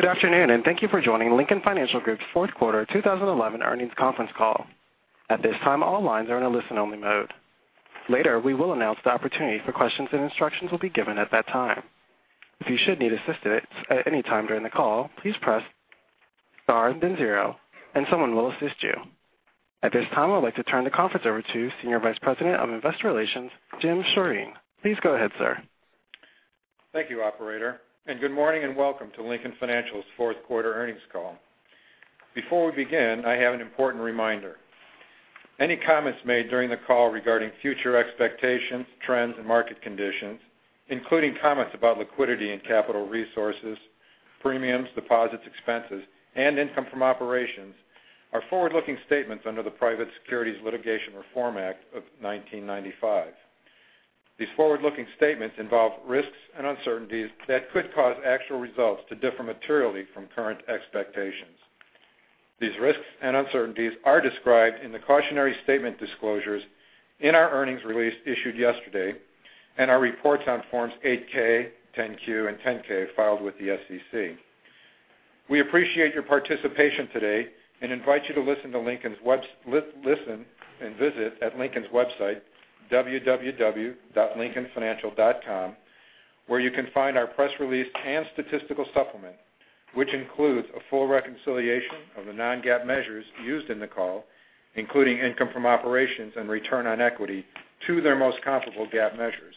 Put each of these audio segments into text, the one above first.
Good afternoon, and thank you for joining Lincoln Financial Group's fourth quarter 2011 earnings conference call. At this time, all lines are in a listen-only mode. Later, we will announce the opportunity for questions, and instructions will be given at that time. If you should need assistance at any time during the call, please press star and then zero, and someone will assist you. At this time, I would like to turn the conference over to Senior Vice President of Investor Relations, Jim Sjoreen. Please go ahead, sir. Thank you, operator, and good morning, and welcome to Lincoln Financial's fourth quarter earnings call. Before we begin, I have an important reminder. Any comments made during the call regarding future expectations, trends, and market conditions, including comments about liquidity and capital resources, premiums, deposits, expenses, and income from operations, are forward-looking statements under the Private Securities Litigation Reform Act of 1995. These forward-looking statements involve risks and uncertainties that could cause actual results to differ materially from current expectations. These risks and uncertainties are described in the cautionary statement disclosures in our earnings release issued yesterday, and our reports on Forms 8-K, 10-Q, and 10-K filed with the SEC. We appreciate your participation today and invite you to visit Lincoln's website, www.lincolnfinancial.com, where you can find our press release and statistical supplement, which includes a full reconciliation of the non-GAAP measures used in the call, including income from operations and return on equity to their most comparable GAAP measures.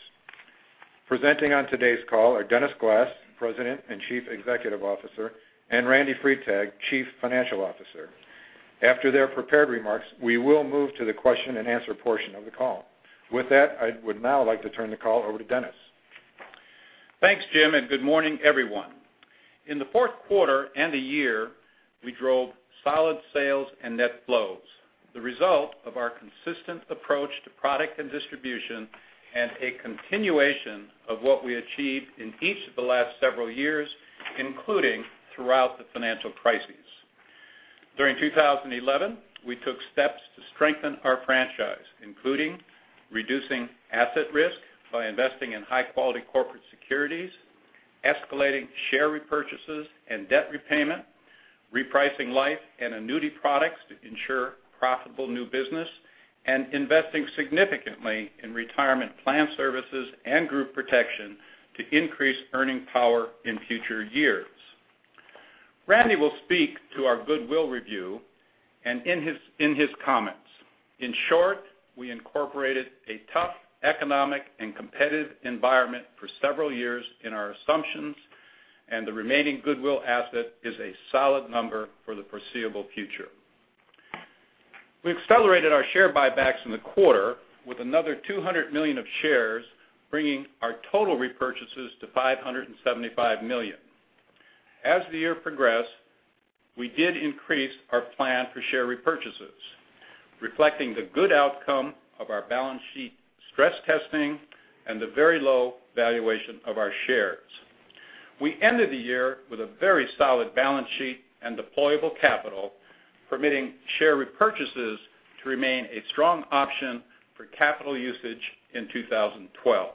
Presenting on today's call are Dennis Glass, President and Chief Executive Officer, and Randy Freitag, Chief Financial Officer. After their prepared remarks, we will move to the question-and-answer portion of the call. With that, I would now like to turn the call over to Dennis. Thanks, Jim, and good morning, everyone. In the fourth quarter and the year, we drove solid sales and net flows, the result of our consistent approach to product and distribution and a continuation of what we achieved in each of the last several years, including throughout the financial crises. During 2011, we took steps to strengthen our franchise, including reducing asset risk by investing in high-quality corporate securities, escalating share repurchases and debt repayment, repricing life and annuity products to ensure profitable new business, and investing significantly in Retirement Plan Services and Group Protection to increase earning power in future years. Randy will speak to our goodwill review and in his comments. In short, we incorporated a tough economic and competitive environment for several years in our assumptions, and the remaining goodwill asset is a solid number for the foreseeable future. We accelerated our share buybacks in the quarter with another $200 million of shares, bringing our total repurchases to $575 million. As the year progressed, we did increase our plan for share repurchases, reflecting the good outcome of our balance sheet stress testing and the very low valuation of our shares. We ended the year with a very solid balance sheet and deployable capital, permitting share repurchases to remain a strong option for capital usage in 2012.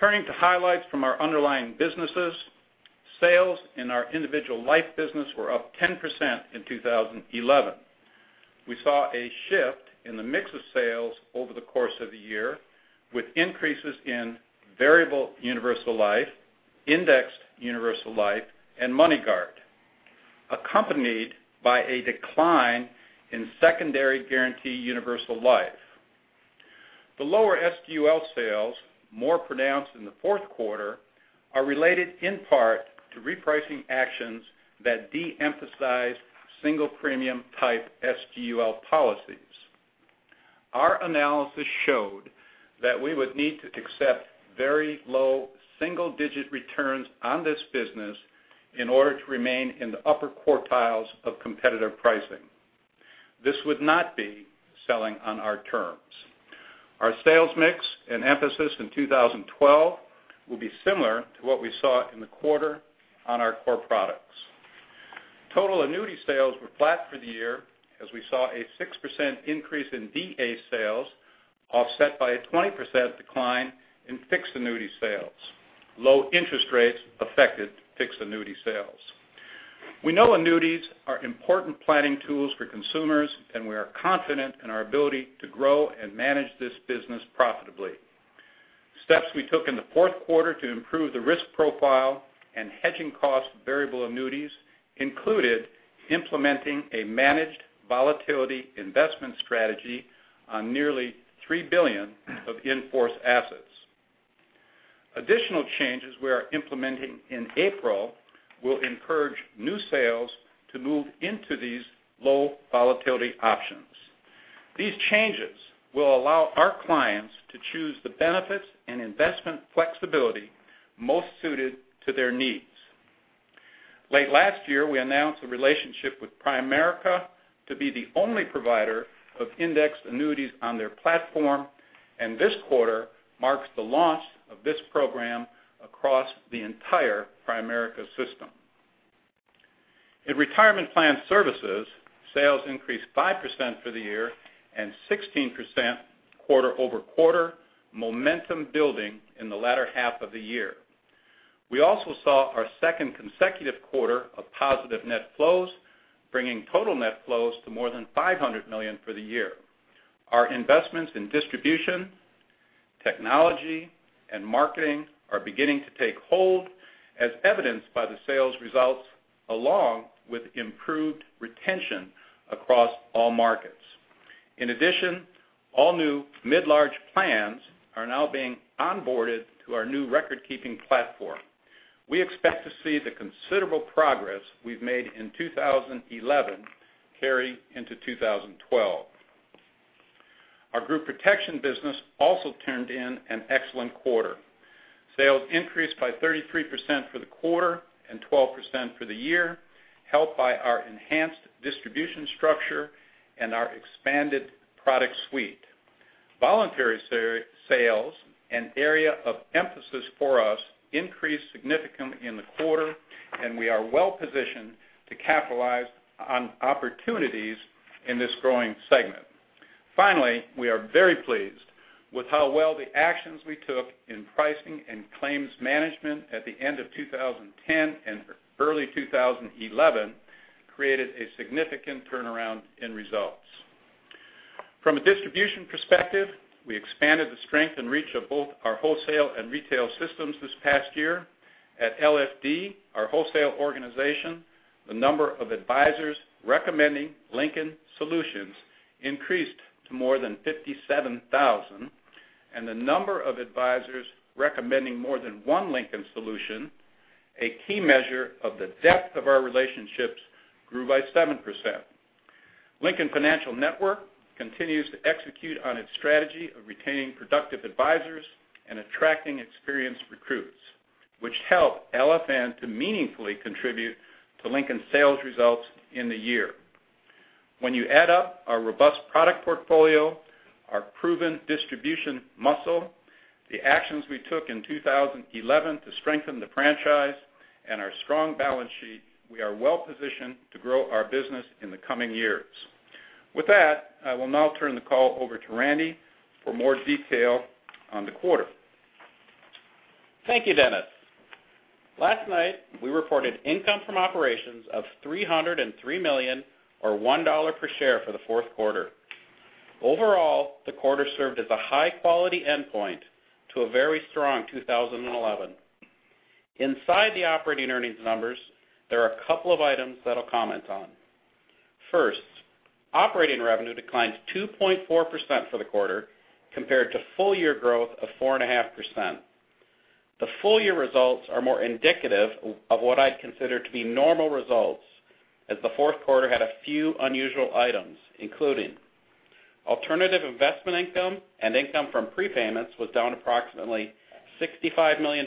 Turning to highlights from our underlying businesses, sales in our individual life business were up 10% in 2011. We saw a shift in the mix of sales over the course of the year, with increases in variable universal life, indexed universal life, and MoneyGuard, accompanied by a decline in secondary guarantee universal life. The lower SGUL sales, more pronounced in the fourth quarter, are related in part to repricing actions that de-emphasize single-premium type SGUL policies. Our analysis showed that we would need to accept very low single-digit returns on this business in order to remain in the upper quartiles of competitive pricing. This would not be selling on our terms. Our sales mix and emphasis in 2012 will be similar to what we saw in the quarter on our core products. Total annuity sales were flat for the year as we saw a 6% increase in VA sales offset by a 20% decline in fixed annuity sales. Low interest rates affected fixed annuity sales. We know annuities are important planning tools for consumers, and we are confident in our ability to grow and manage this business profitably. Steps we took in the fourth quarter to improve the risk profile and hedging cost variable annuities included implementing a managed volatility investment strategy on nearly $3 billion of in-force assets. Additional changes we are implementing in April will encourage new sales to move into these low-volatility options. These changes will allow our clients to choose the benefits and investment flexibility most suited to their needs. Late last year, we announced a relationship with Primerica to be the only provider of indexed annuities on their platform, and this quarter marks the launch of this program across the entire Primerica system. In Retirement Plan Services, sales increased 5% for the year and 16% quarter-over-quarter, momentum building in the latter half of the year. We also saw our second consecutive quarter of positive net flows, bringing total net flows to more than $500 million for the year. Our investments in distribution, technology, and marketing are beginning to take hold, as evidenced by the sales results, along with improved retention across all markets. In addition, all new mid-large plans are now being onboarded to our new record-keeping platform. We expect to see the considerable progress we've made in 2011 carry into 2012. Our Group Protection business also turned in an excellent quarter. Sales increased by 33% for the quarter and 12% for the year, helped by our enhanced distribution structure and our expanded product suite. Voluntary sales, an area of emphasis for us, increased significantly in the quarter, and we are well-positioned to capitalize on opportunities in this growing segment. Finally, we are very pleased with how well the actions we took in pricing and claims management at the end of 2010 and early 2011 created a significant turnaround in results. From a distribution perspective, we expanded the strength and reach of both our wholesale and retail systems this past year. At LFD, our wholesale organization, the number of advisors recommending Lincoln solutions increased to more than 57,000, and the number of advisors recommending more than one Lincoln solution, a key measure of the depth of our relationships, grew by 7%. Lincoln Financial Network continues to execute on its strategy of retaining productive advisors and attracting experienced recruits, which help LFN to meaningfully contribute to Lincoln's sales results in the year. When you add up our robust product portfolio, our proven distribution muscle, the actions we took in 2011 to strengthen the franchise, and our strong balance sheet, we are well-positioned to grow our business in the coming years. With that, I will now turn the call over to Randy for more detail on the quarter. Thank you, Dennis. Last night, we reported income from operations of $303 million, or $1 per share for the fourth quarter. Overall, the quarter served as a high-quality endpoint to a very strong 2011. Inside the operating earnings numbers, there are a couple of items that I'll comment on. First, operating revenue declined 2.4% for the quarter compared to full-year growth of 4.5%. The full-year results are more indicative of what I'd consider to be normal results, as the fourth quarter had a few unusual items, including alternative investment income and income from prepayments was down approximately $65 million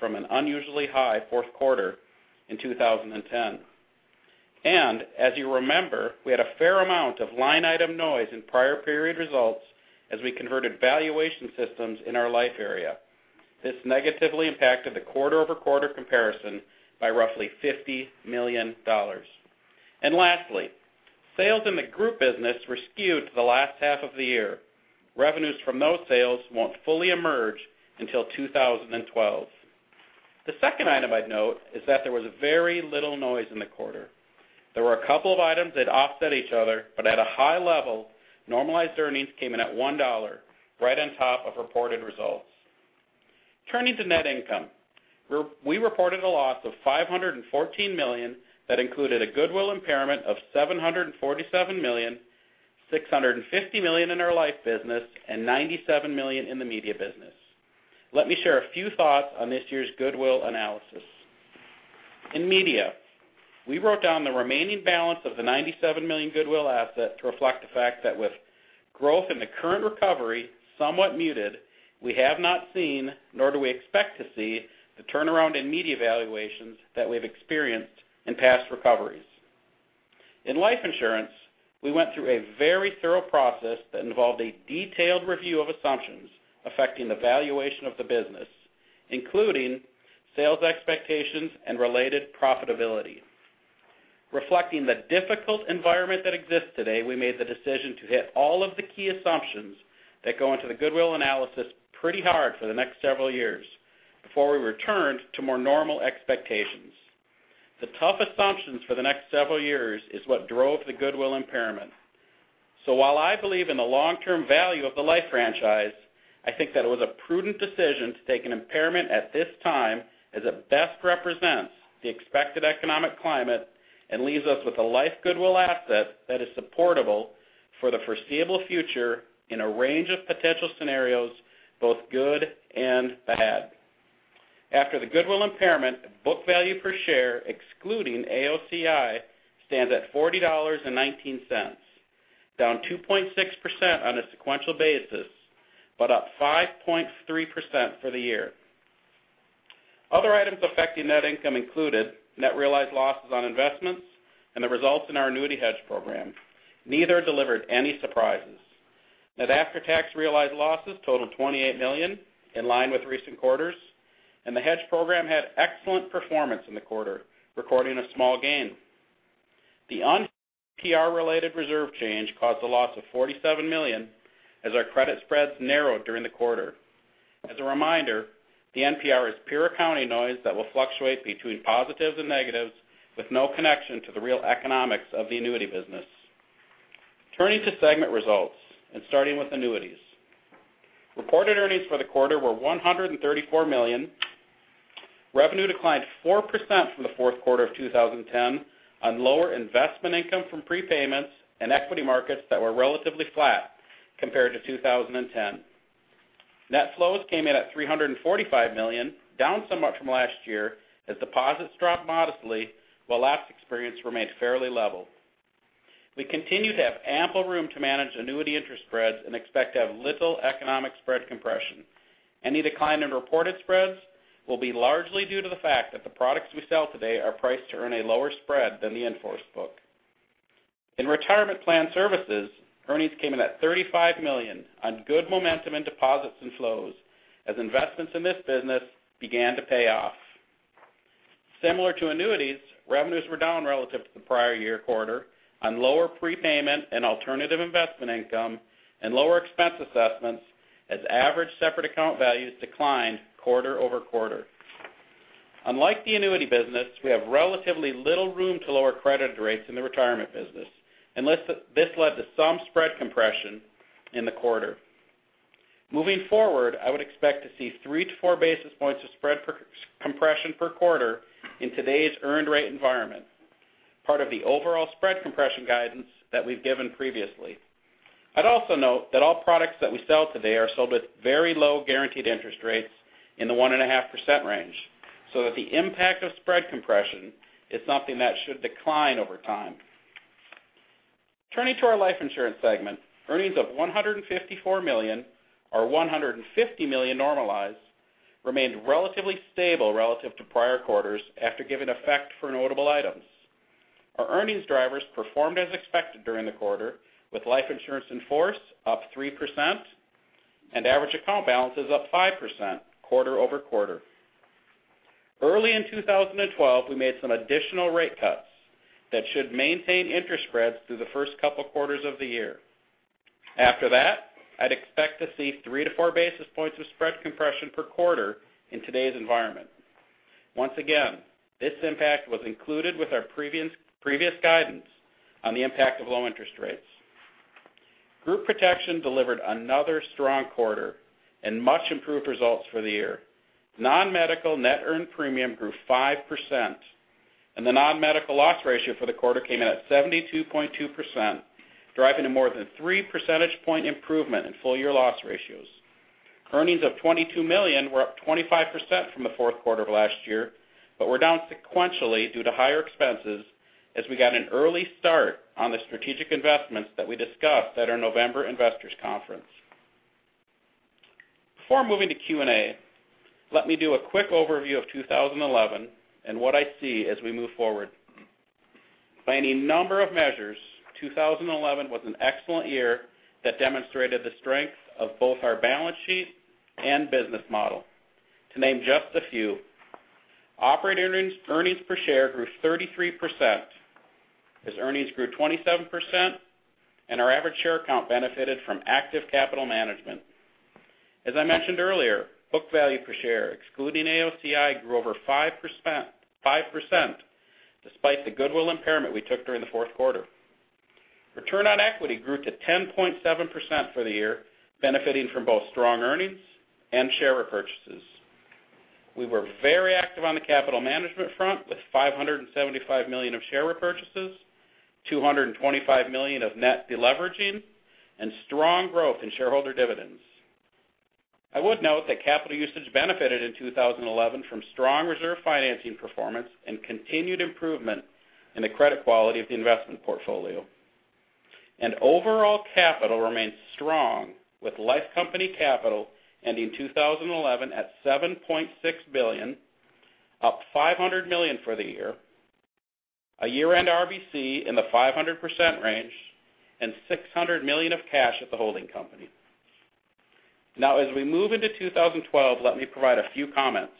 from an unusually high fourth quarter in 2010. As you remember, we had a fair amount of line item noise in prior period results as we converted valuation systems in our life area. This negatively impacted the quarter-over-quarter comparison by roughly $50 million. Lastly, sales in the group business were skewed to the last half of the year. Revenues from those sales won't fully emerge until 2012. The second item I'd note is that there was very little noise in the quarter. There were a couple of items that offset each other, but at a high level, normalized earnings came in at $1, right on top of reported results. Turning to net income, we reported a loss of $514 million that included a goodwill impairment of $747 million, $650 million in our life business, and $97 million in the media business. Let me share a few thoughts on this year's goodwill analysis. In media, we wrote down the remaining balance of the $97 million goodwill asset to reflect the fact that with growth in the current recovery somewhat muted, we have not seen, nor do we expect to see the turnaround in media valuations that we've experienced in past recoveries. In life insurance, we went through a very thorough process that involved a detailed review of assumptions affecting the valuation of the business, including sales expectations and related profitability. Reflecting the difficult environment that exists today, we made the decision to hit all of the key assumptions that go into the goodwill analysis pretty hard for the next several years before we returned to more normal expectations. The tough assumptions for the next several years is what drove the goodwill impairment. While I believe in the long-term value of the life franchise, I think that it was a prudent decision to take an impairment at this time as it best represents the expected economic climate and leaves us with a life goodwill asset that is supportable for the foreseeable future in a range of potential scenarios, both good and bad. After the goodwill impairment, book value per share, excluding AOCI, stands at $40.19, down 2.6% on a sequential basis, but up 5.3% for the year. Other items affecting net income included net realized losses on investments and the results in our annuity hedge program. Neither delivered any surprises. Net after-tax realized losses totaled $28 million, in line with recent quarters, and the hedge program had excellent performance in the quarter, recording a small gain. The NPR-related reserve change caused a loss of $47 million as our credit spreads narrowed during the quarter. As a reminder, the NPR is pure accounting noise that will fluctuate between positives and negatives with no connection to the real economics of the annuity business. Turning to segment results and starting with annuities. Reported earnings for the quarter were $134 million. Revenue declined 4% from the fourth quarter of 2010 on lower investment income from prepayments and equity markets that were relatively flat compared to 2010. Net flows came in at $345 million, down somewhat from last year as deposits dropped modestly while lapse experience remained fairly level. We continue to have ample room to manage annuity interest spreads and expect to have little economic spread compression. Any decline in reported spreads will be largely due to the fact that the products we sell today are priced to earn a lower spread than the in-force book. In Retirement Plan Services, earnings came in at $35 million on good momentum in deposits and flows as investments in this business began to pay off. Similar to annuities, revenues were down relative to the prior year quarter on lower prepayment and alternative investment income and lower expense assessments as average separate account values declined quarter-over-quarter. Unlike the annuity business, we have relatively little room to lower credited rates in the retirement business. This led to some spread compression in the quarter. Moving forward, I would expect to see three to four basis points of spread compression per quarter in today's earned rate environment, part of the overall spread compression guidance that we've given previously. I'd also note that all products that we sell today are sold at very low guaranteed interest rates in the 1.5% range, so that the impact of spread compression is something that should decline over time. Turning to our life insurance segment, earnings of $154 million, or $150 million normalized, remained relatively stable relative to prior quarters after giving effect for notable items. Our earnings drivers performed as expected during the quarter, with life insurance in force up 3% and average account balances up 5% quarter-over-quarter. Early in 2012, we made some additional rate cuts that should maintain interest spreads through the first couple quarters of the year. After that, I'd expect to see three to four basis points of spread compression per quarter in today's environment. Once again, this impact was included with our previous guidance on the impact of low interest rates. Group Protection delivered another strong quarter and much improved results for the year. Non-medical net earned premium grew 5%, and the non-medical loss ratio for the quarter came in at 72.2%, driving a more than three percentage point improvement in full year loss ratios. Earnings of $22 million were up 25% from the fourth quarter of last year, but were down sequentially due to higher expenses as we got an early start on the strategic investments that we discussed at our November investors conference. Before moving to Q&A, let me do a quick overview of 2011 and what I see as we move forward. By any number of measures, 2011 was an excellent year that demonstrated the strength of both our balance sheet and business model. To name just a few, operating earnings per share grew 33% as earnings grew 27%, and our average share count benefited from active capital management. As I mentioned earlier, book value per share, excluding AOCI, grew over 5% despite the goodwill impairment we took during the fourth quarter. Return on equity grew to 10.7% for the year, benefiting from both strong earnings and share repurchases. We were very active on the capital management front with $575 million of share repurchases, $225 million of net deleveraging, and strong growth in shareholder dividends. I would note that capital usage benefited in 2011 from strong reserve financing performance and continued improvement in the credit quality of the investment portfolio. Overall capital remains strong with life company capital ending 2011 at $7.6 billion, up $500 million for the year, a year-end RBC in the 500% range, and $600 million of cash at the holding company. As we move into 2012, let me provide a few comments.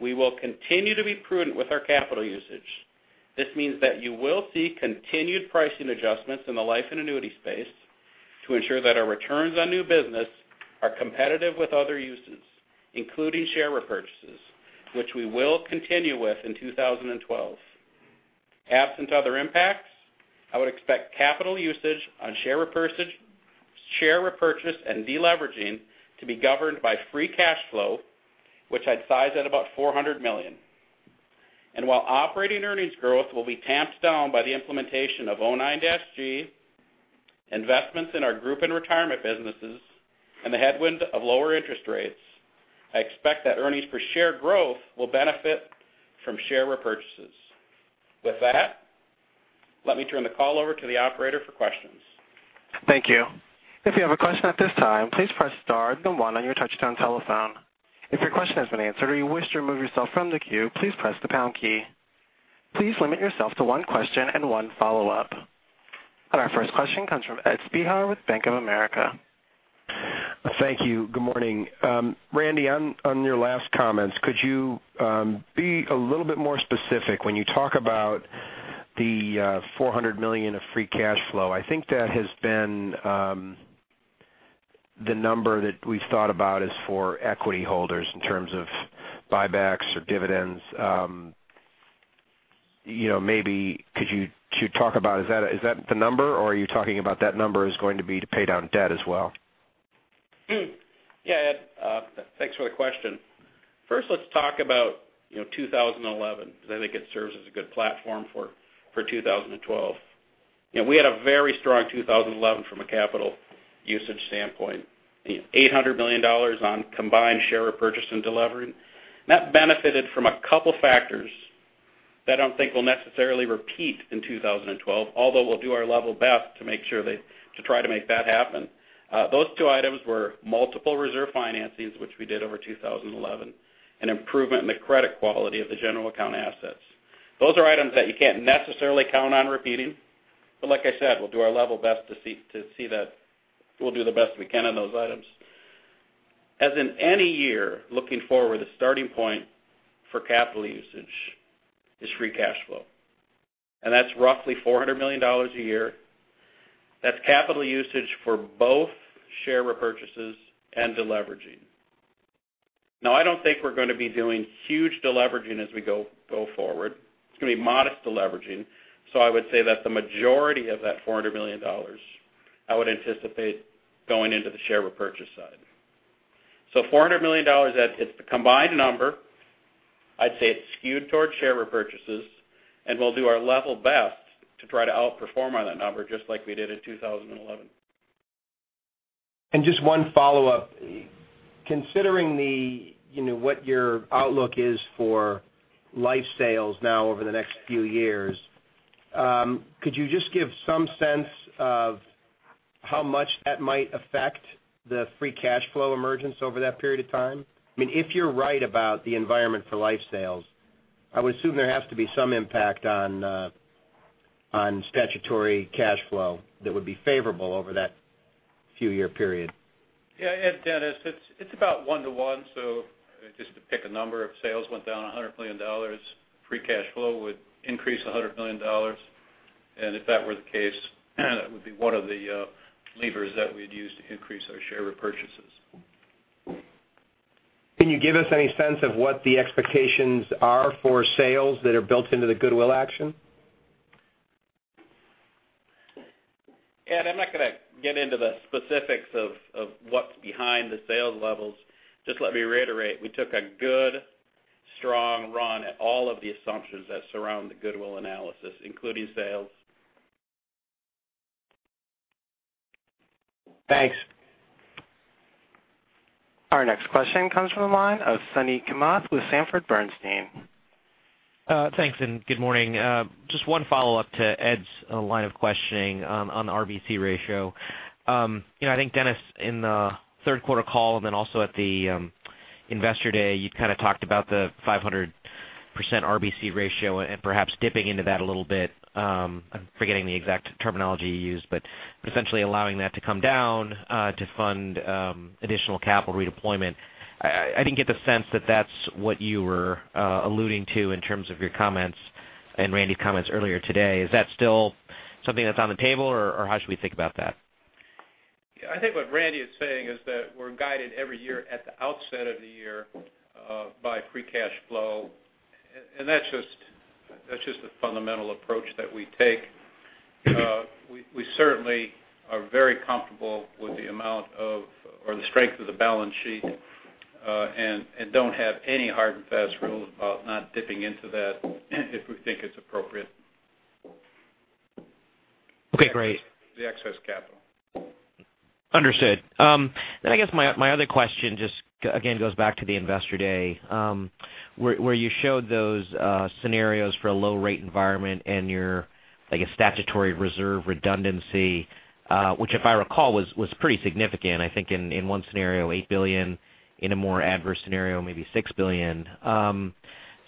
We will continue to be prudent with our capital usage. This means that you will see continued pricing adjustments in the life and annuity space to ensure that our returns on new business are competitive with other uses, including share repurchases, which we will continue with in 2012. Absent other impacts, I would expect capital usage on share repurchase and deleveraging to be governed by free cash flow, which I'd size at about $400 million. While operating earnings growth will be tamped down by the implementation of 09-G, investments in our Group and Retirement businesses, and the headwind of lower interest rates, I expect that earnings per share growth will benefit from share repurchases. With that, let me turn the call over to the operator for questions. Thank you. If you have a question at this time, please press star then one on your touch-tone telephone. If your question has been answered or you wish to remove yourself from the queue, please press the pound key. Please limit yourself to one question and one follow-up. Our first question comes from Edward Spehar with Bank of America. Thank you. Good morning. Randy, on your last comments, could you be a little bit more specific when you talk about the $400 million of free cash flow? I think that has been the number that we've thought about is for equity holders in terms of buybacks or dividends. Could you talk about, is that the number, or are you talking about that number is going to be to pay down debt as well? Yeah, Ed. Thanks for the question. First, let's talk about 2011, because I think it serves as a good platform for 2012. We had a very strong 2011 from a capital usage standpoint. $800 million on combined share repurchase and delivery. That benefited from a couple factors that I don't think will necessarily repeat in 2012, although we'll do our level best to try to make that happen. Those two items were multiple reserve financings, which we did over 2011, and improvement in the credit quality of the general account assets. Those are items that you can't necessarily count on repeating. Like I said, we'll do our level best. We'll do the best we can on those items. As in any year, looking forward, the starting point for capital usage is free cash flow. That's roughly $400 million a year. That's capital usage for both share repurchases and de-leveraging. I don't think we're going to be doing huge de-leveraging as we go forward. It's going to be modest de-leveraging. I would say that the majority of that $400 million, I would anticipate going into the share repurchase side. $400 million, Ed, it's the combined number. I'd say it's skewed towards share repurchases, and we'll do our level best to try to outperform on that number just like we did in 2011. Just one follow-up. Considering what your outlook is for life sales now over the next few years, could you just give some sense of how much that might affect the free cash flow emergence over that period of time? If you're right about the environment for life sales, I would assume there has to be some impact on statutory cash flow that would be favorable over that few year period. Yeah. Ed, Dennis, it's about one to one. Just to pick a number, if sales went down $100 million, free cash flow would increase $100 million. If that were the case, that would be one of the levers that we'd use to increase our share repurchases. Can you give us any sense of what the expectations are for sales that are built into the goodwill action? Ed, I'm not going to get into the specifics of what's behind the sales levels. Just let me reiterate, we took a good, strong run at all of the assumptions that surround the goodwill analysis, including sales. Thanks. Our next question comes from the line of Suneet Kamath with Sanford C. Bernstein. Thanks, good morning. Just one follow-up to Ed's line of questioning on the RBC ratio. I think Dennis, in the third quarter call, also at the IR Day, you kind of talked about the 500% RBC ratio and perhaps dipping into that a little bit. I'm forgetting the exact terminology you used, but essentially allowing that to come down to fund additional capital redeployment. I didn't get the sense that that's what you were alluding to in terms of your comments and Randy's comments earlier today. Is that still something that's on the table, or how should we think about that? I think what Randy is saying is that we're guided every year at the outset of the year by free cash flow. That's just the fundamental approach that we take. We certainly are very comfortable with the amount of, or the strength of the balance sheet. Don't have any hard and fast rules about not dipping into that if we think it's appropriate. Okay, great. The excess capital. Understood. I guess my other question just, again, goes back to the Investor Day, where you showed those scenarios for a low rate environment and your statutory reserve redundancy, which if I recall, was pretty significant. I think in one scenario, $8 billion, in a more adverse scenario, maybe $6 billion.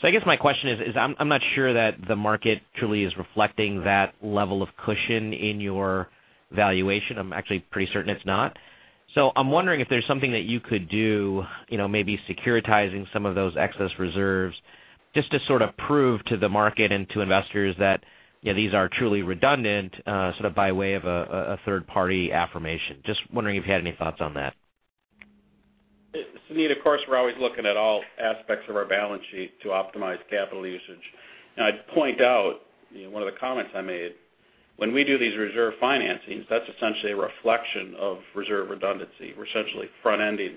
I guess my question is, I'm not sure that the market truly is reflecting that level of cushion in your valuation. I'm actually pretty certain it's not. I'm wondering if there's something that you could do maybe securitizing some of those excess reserves just to sort of prove to the market and to investors that these are truly redundant sort of by way of a third-party affirmation. Just wondering if you had any thoughts on that. Suneet, of course, we're always looking at all aspects of our balance sheet to optimize capital usage. I'd point out one of the comments I made. When we do these reserve financings, that's essentially a reflection of reserve redundancy. We're essentially front-ending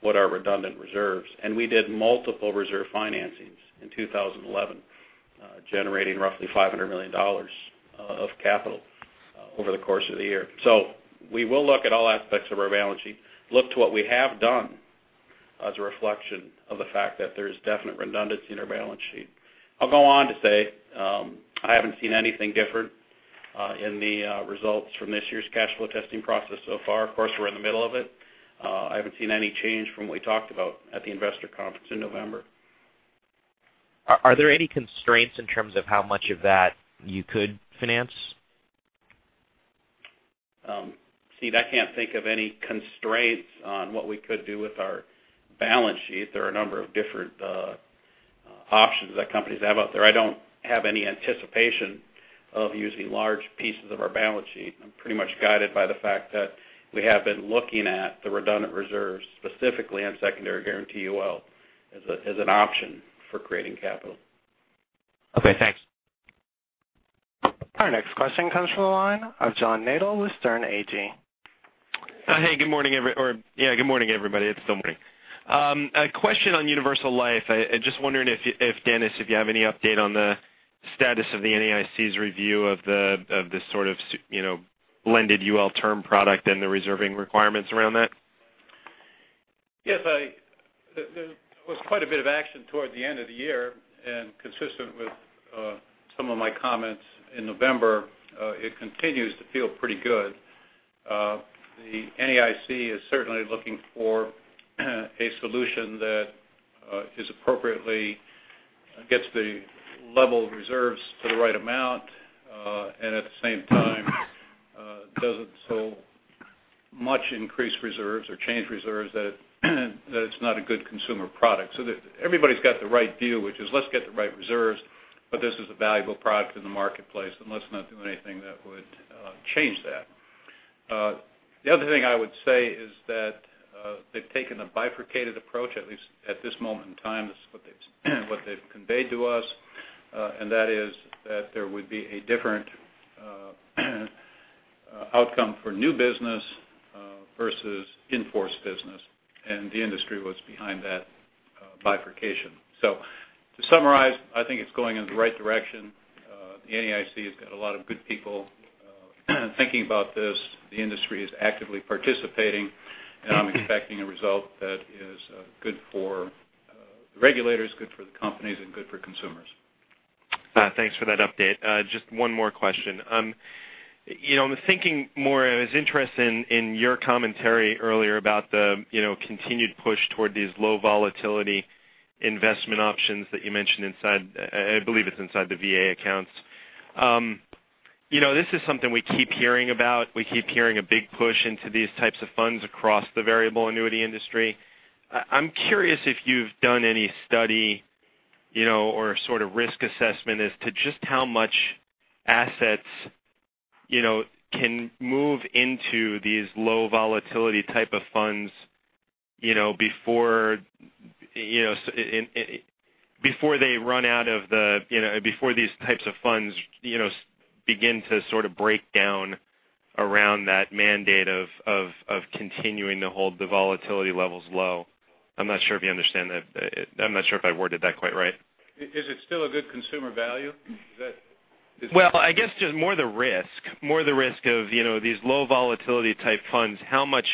what are redundant reserves. We did multiple reserve financings in 2011, generating roughly $500 million of capital over the course of the year. We will look at all aspects of our balance sheet, look to what we have done as a reflection of the fact that there's definite redundancy in our balance sheet. I'll go on to say I haven't seen anything different in the results from this year's cash flow testing process so far. Of course, we're in the middle of it. I haven't seen any change from what we talked about at the investor conference in November. Are there any constraints in terms of how much of that you could finance? Suneet, I can't think of any constraints on what we could do with our balance sheet. There are a number of different options that companies have out there. I don't have any anticipation of using large pieces of our balance sheet. I'm pretty much guided by the fact that we have been looking at the redundant reserves, specifically on secondary guarantee UL, as an option for creating capital. Okay, thanks. Our next question comes from the line of John Nadel with Sterne Agee. Hey, good morning, everybody. It's still morning. A question on universal life. I'm just wondering, Dennis, if you have any update on the status of the NAIC's review of this sort of blended UL term product and the reserving requirements around that. Yes. There was quite a bit of action toward the end of the year. Consistent with some of my comments in November, it continues to feel pretty good. The NAIC is certainly looking for a solution that appropriately gets the level of reserves to the right amount. At the same time, it doesn't so much increase reserves or change reserves that it's not a good consumer product. Everybody's got the right view, which is let's get the right reserves, but this is a valuable product in the marketplace, and let's not do anything that would change that. The other thing I would say is that they've taken a bifurcated approach, at least at this moment in time. This is what they've conveyed to us. That is that there would be a different outcome for new business versus in-force business, and the industry was behind that bifurcation. To summarize, I think it's going in the right direction. The NAIC has got a lot of good people thinking about this. The industry is actively participating, and I'm expecting a result that is good for the regulators, good for the companies, and good for consumers. Thanks for that update. Just one more question. I was interested in your commentary earlier about the continued push toward these low volatility investment options that you mentioned, I believe it's inside the VA accounts. This is something we keep hearing about. We keep hearing a big push into these types of funds across the variable annuity industry. I'm curious if you've done any study or risk assessment as to just how much assets can move into these low volatility type of funds before these types of funds begin to break down around that mandate of continuing to hold the volatility levels low. I'm not sure if I worded that quite right. Is it still a good consumer value? I guess just more the risk of these low volatility type funds. How much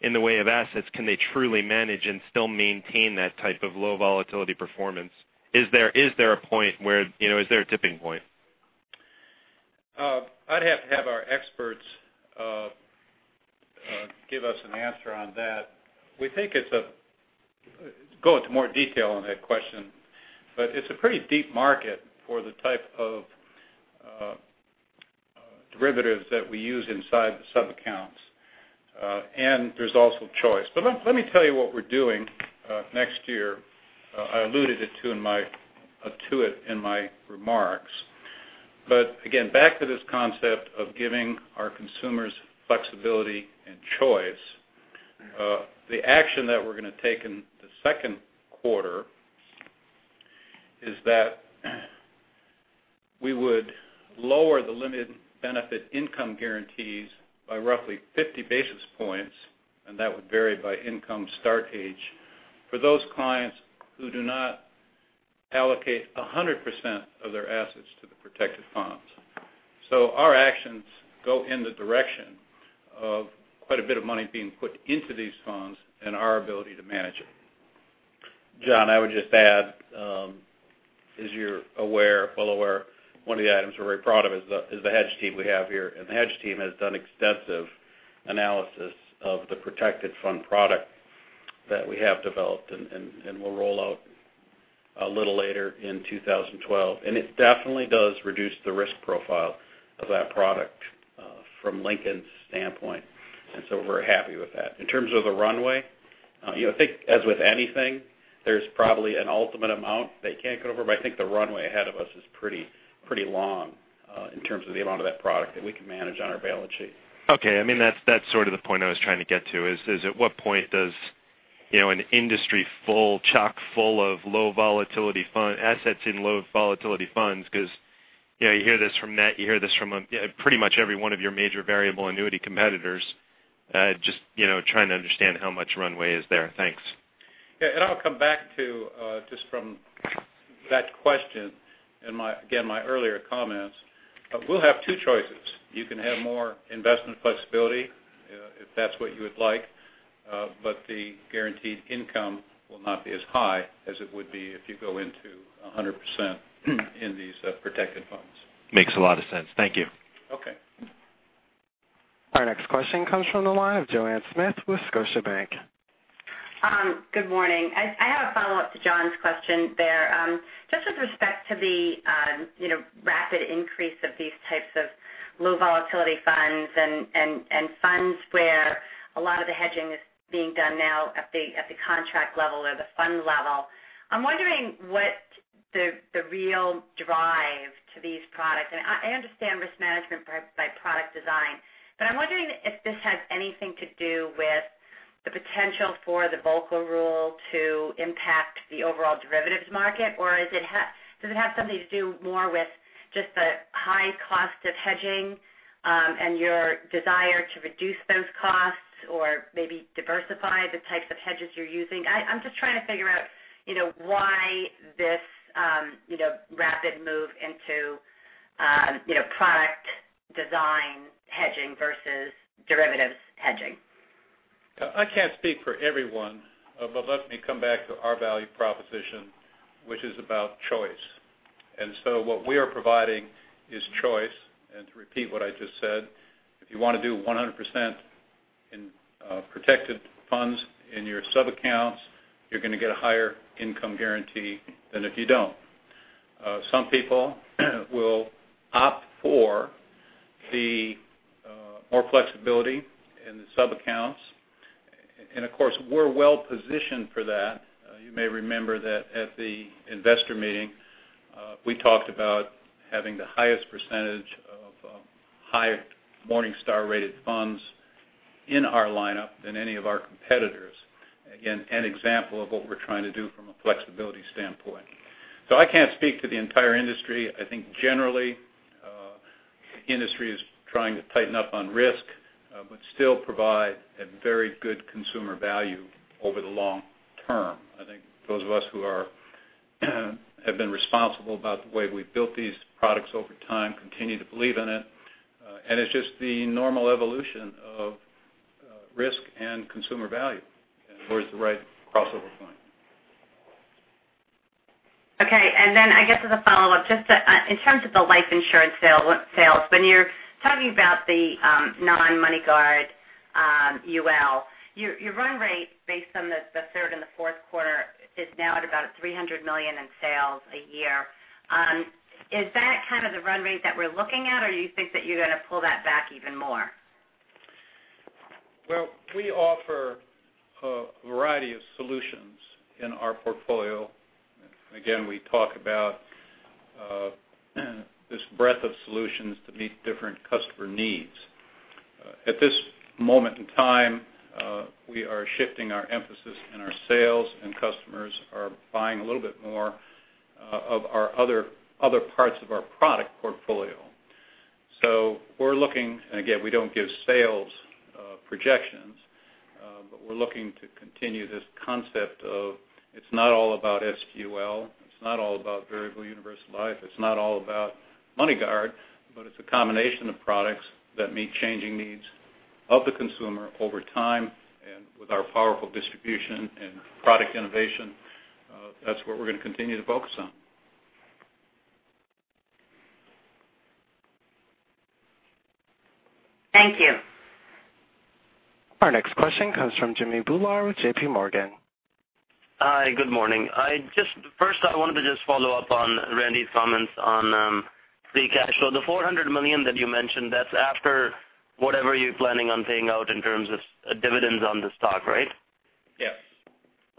in the way of assets can they truly manage and still maintain that type of low volatility performance? Is there a tipping point? I'd have to have our experts give us an answer on that. We'll go into more detail on that question. It's a pretty deep market for the type of derivatives that we use inside the sub-accounts. There's also choice. Let me tell you what we're doing next year. I alluded to it in my remarks. Again, back to this concept of giving our consumers flexibility and choice. The action that we're going to take in the second quarter is that we would lower the limited benefit income guarantees by roughly 50 basis points, and that would vary by income start age, for those clients who do not allocate 100% of their assets to the protected funds. Our actions go in the direction of quite a bit of money being put into these funds and our ability to manage it. John, I would just add, as you're well aware, one of the items we're very proud of is the hedge team we have here. The hedge team has done extensive analysis of the protected fund product that we have developed and will roll out a little later in 2012. It definitely does reduce the risk profile of that product from Lincoln's standpoint. We're happy with that. In terms of the runway, I think as with anything, there's probably an ultimate amount that you can't get over, but I think the runway ahead of us is pretty long in terms of the amount of that product that we can manage on our balance sheet. Okay. That's the point I was trying to get to, is at what point does an industry chock-full of assets in low volatility funds, because you hear this from pretty much every one of your major variable annuity competitors, just trying to understand how much runway is there. Thanks. Yeah. I'll come back to just from that question in, again, my earlier comments. We'll have two choices. You can have more investment flexibility If that's what you would like. The guaranteed income will not be as high as it would be if you go into 100% in these protected funds. Makes a lot of sense. Thank you. Okay. Our next question comes from the line of Joanne Smith with Scotiabank. Good morning. I have a follow-up to John's question there. Just with respect to the rapid increase of these types of low volatility funds and funds where a lot of the hedging is being done now at the contract level or the fund level. I'm wondering what the real drive to these products, and I understand risk management by product design. I'm wondering if this has anything to do with the potential for the Volcker Rule to impact the overall derivatives market, or does it have something to do more with just the high cost of hedging, and your desire to reduce those costs or maybe diversify the types of hedges you're using? I'm just trying to figure out why this rapid move into product design hedging versus derivatives hedging. I can't speak for everyone, but let me come back to our value proposition, which is about choice. What we are providing is choice. To repeat what I just said, if you want to do 100% in protected funds in your subaccounts, you're going to get a higher income guarantee than if you don't. Some people will opt for the more flexibility in the subaccounts. Of course, we're well positioned for that. You may remember that at the investor meeting, we talked about having the highest percentage of high Morningstar-rated funds in our lineup than any of our competitors. Again, an example of what we're trying to do from a flexibility standpoint. I can't speak to the entire industry. I think generally, industry is trying to tighten up on risk, but still provide a very good consumer value over the long term. I think those of us who have been responsible about the way we've built these products over time, continue to believe in it. It's just the normal evolution of risk and consumer value, and where's the right crossover point. Okay. I guess as a follow-up, just in terms of the life insurance sales, when you're talking about the non-MoneyGuard UL, your run rate based on the third and the fourth quarter is now at about $300 million in sales a year. Is that kind of the run rate that we're looking at, or you think that you're going to pull that back even more? Well, we offer a variety of solutions in our portfolio. Again, we talk about this breadth of solutions to meet different customer needs. At this moment in time, we are shifting our emphasis in our sales, customers are buying a little bit more of our other parts of our product portfolio. We're looking, again, we don't give sales projections, but we're looking to continue this concept of, it's not all about SGUL, it's not all about variable universal life, it's not all about MoneyGuard, but it's a combination of products that meet changing needs of the consumer over time, with our powerful distribution and product innovation, that's what we're going to continue to focus on. Thank you. Our next question comes from Jimmy Bhullar with J.P. Morgan. Hi, good morning. First, I wanted to just follow up on Randy's comments on free cash flow. The $400 million that you mentioned, that's after whatever you're planning on paying out in terms of dividends on the stock, right? Yes.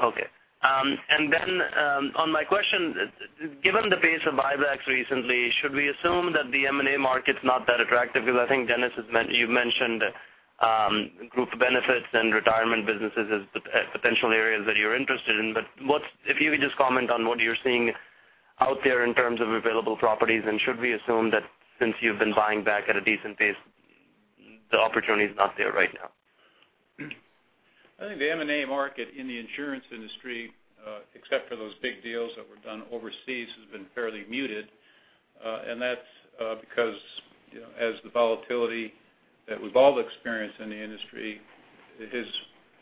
Okay. On my question, given the pace of buybacks recently, should we assume that the M&A market's not that attractive? Because I think, Dennis, you've mentioned Group Protection and Retirement Plan Services as potential areas that you're interested in. If you could just comment on what you're seeing out there in terms of available properties, and should we assume that since you've been buying back at a decent pace, the opportunity's not there right now? I think the M&A market in the insurance industry, except for those big deals that were done overseas, has been fairly muted. That's because as the volatility that we've all experienced in the industry has,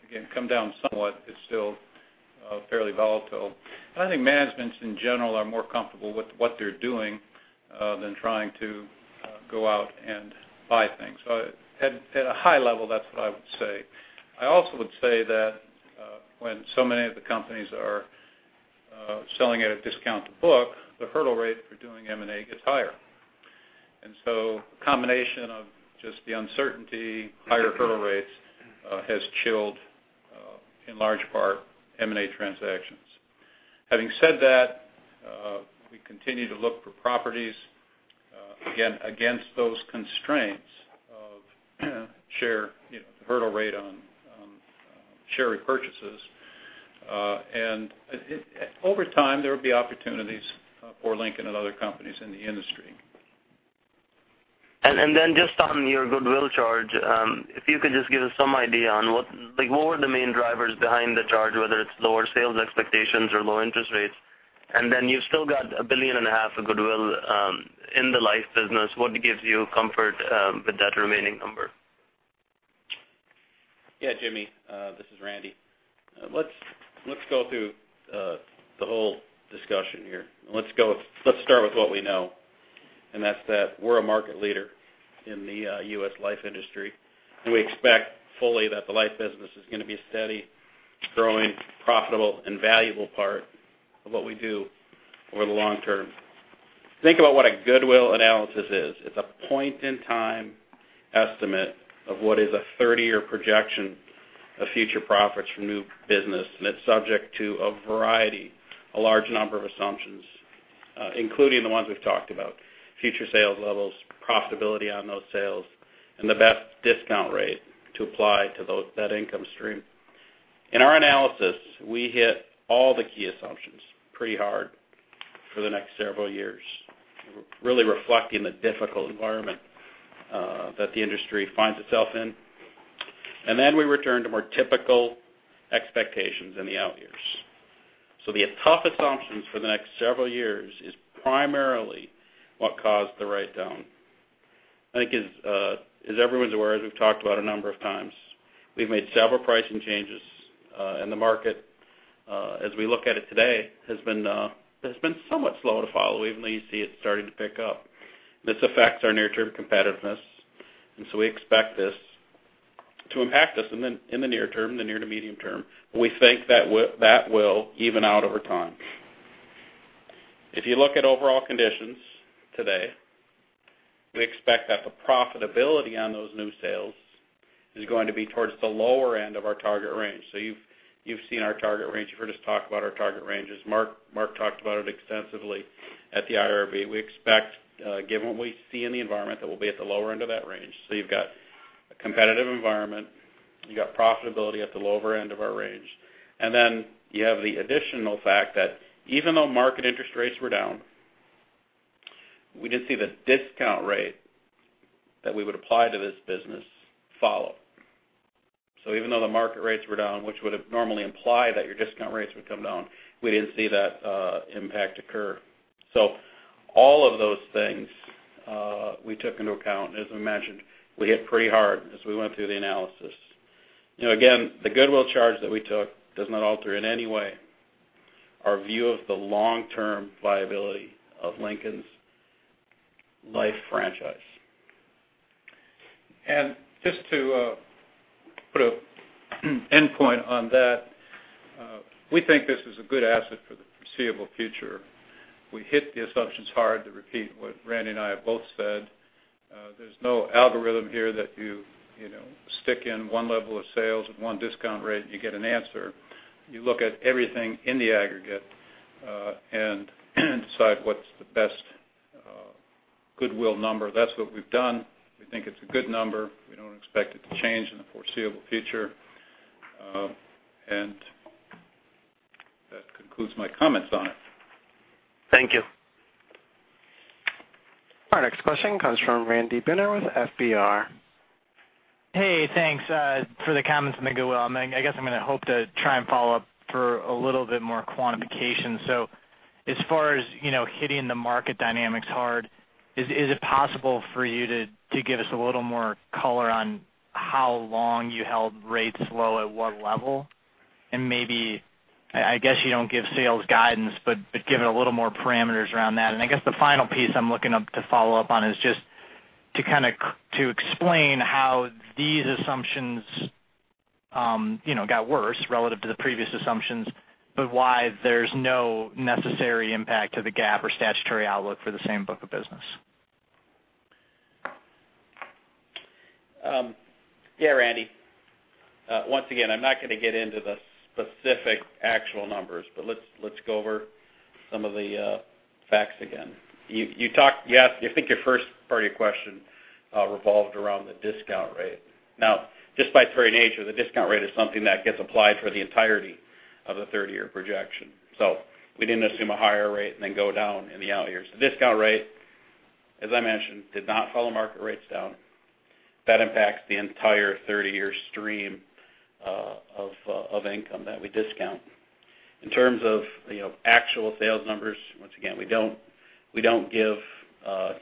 again, come down somewhat, it's still fairly volatile. I think managements in general are more comfortable with what they're doing than trying to go out and buy things. At a high level, that's what I would say. I also would say that when so many of the companies are selling at a discount to book, the hurdle rate for doing M&A gets higher. A combination of just the uncertainty, higher hurdle rates, has chilled, in large part, M&A transactions. Having said that, we continue to look for properties, again, against those constraints of hurdle rate on share repurchases. Over time, there will be opportunities for Lincoln and other companies in the industry. Just on your goodwill charge, if you could just give us some idea on what were the main drivers behind the charge, whether it's lower sales expectations or low interest rates? You've still got a billion and a half of goodwill in the life business. What gives you comfort with that remaining number? Yeah, Jimmy, this is Randy. Let's go through the whole discussion here. Let's start with what we know, that's that we're a market leader in the U.S. life industry. We expect fully that the life business is going to be a steady, growing, profitable, and valuable part of what we do over the long term. Think about what a goodwill analysis is. It's a point in time estimate of what is a 30-year projection of future profits from new business, and it's subject to a variety, a large number of assumptions, including the ones we've talked about, future sales levels, profitability on those sales, and the best discount rate to apply to that income stream. In our analysis, we hit all the key assumptions pretty hard for the next several years, really reflecting the difficult environment that the industry finds itself in. We return to more typical expectations in the out years. The tough assumptions for the next several years is primarily what caused the write-down. I think as everyone's aware, as we've talked about a number of times, we've made several pricing changes in the market. As we look at it today, the market has been somewhat slow to follow, even though you see it starting to pick up. This affects our near-term competitiveness, and we expect this to impact us in the near term, the near to medium term. We think that will even out over time. If you look at overall conditions today, we expect that the profitability on those new sales is going to be towards the lower end of our target range. You've seen our target range. You've heard us talk about our target ranges. Mark talked about it extensively at the IR Day. We expect, given what we see in the environment, that we'll be at the lower end of that range. You've got a competitive environment, you've got profitability at the lower end of our range, and then you have the additional fact that even though market interest rates were down, we didn't see the discount rate that we would apply to this business follow. Even though the market rates were down, which would have normally implied that your discount rates would come down, we didn't see that impact occur. All of those things we took into account. As I mentioned, we hit pretty hard as we went through the analysis. Again, the goodwill charge that we took does not alter in any way our view of the long-term viability of Lincoln's life franchise. Just to put an endpoint on that, we think this is a good asset for the foreseeable future. We hit the assumptions hard. To repeat what Randy and I have both said, there's no algorithm here that you stick in one level of sales with one discount rate and you get an answer. You look at everything in the aggregate and decide what's the best goodwill number. That's what we've done. We think it's a good number. We don't expect it to change in the foreseeable future. That concludes my comments on it. Thank you. Our next question comes from Randy Binner with FBR. Hey, thanks for the comments on the goodwill. I guess I'm going to hope to try and follow up for a little bit more quantification. As far as hitting the market dynamics hard, is it possible for you to give us a little more color on how long you held rates low at what level? Maybe, I guess you don't give sales guidance, but give it a little more parameters around that. I guess the final piece I'm looking up to follow up on is just to explain how these assumptions got worse relative to the previous assumptions, but why there's no necessary impact to the GAAP or statutory outlook for the same book of business. Yeah, Randy. Once again, I'm not going to get into the specific actual numbers, but let's go over some of the facts again. I think your first part of your question revolved around the discount rate. Just by its very nature, the discount rate is something that gets applied for the entirety of the 30-year projection. We didn't assume a higher rate and then go down in the out years. The discount rate, as I mentioned, did not follow market rates down. That impacts the entire 30-year stream of income that we discount. In terms of actual sales numbers, once again, we don't give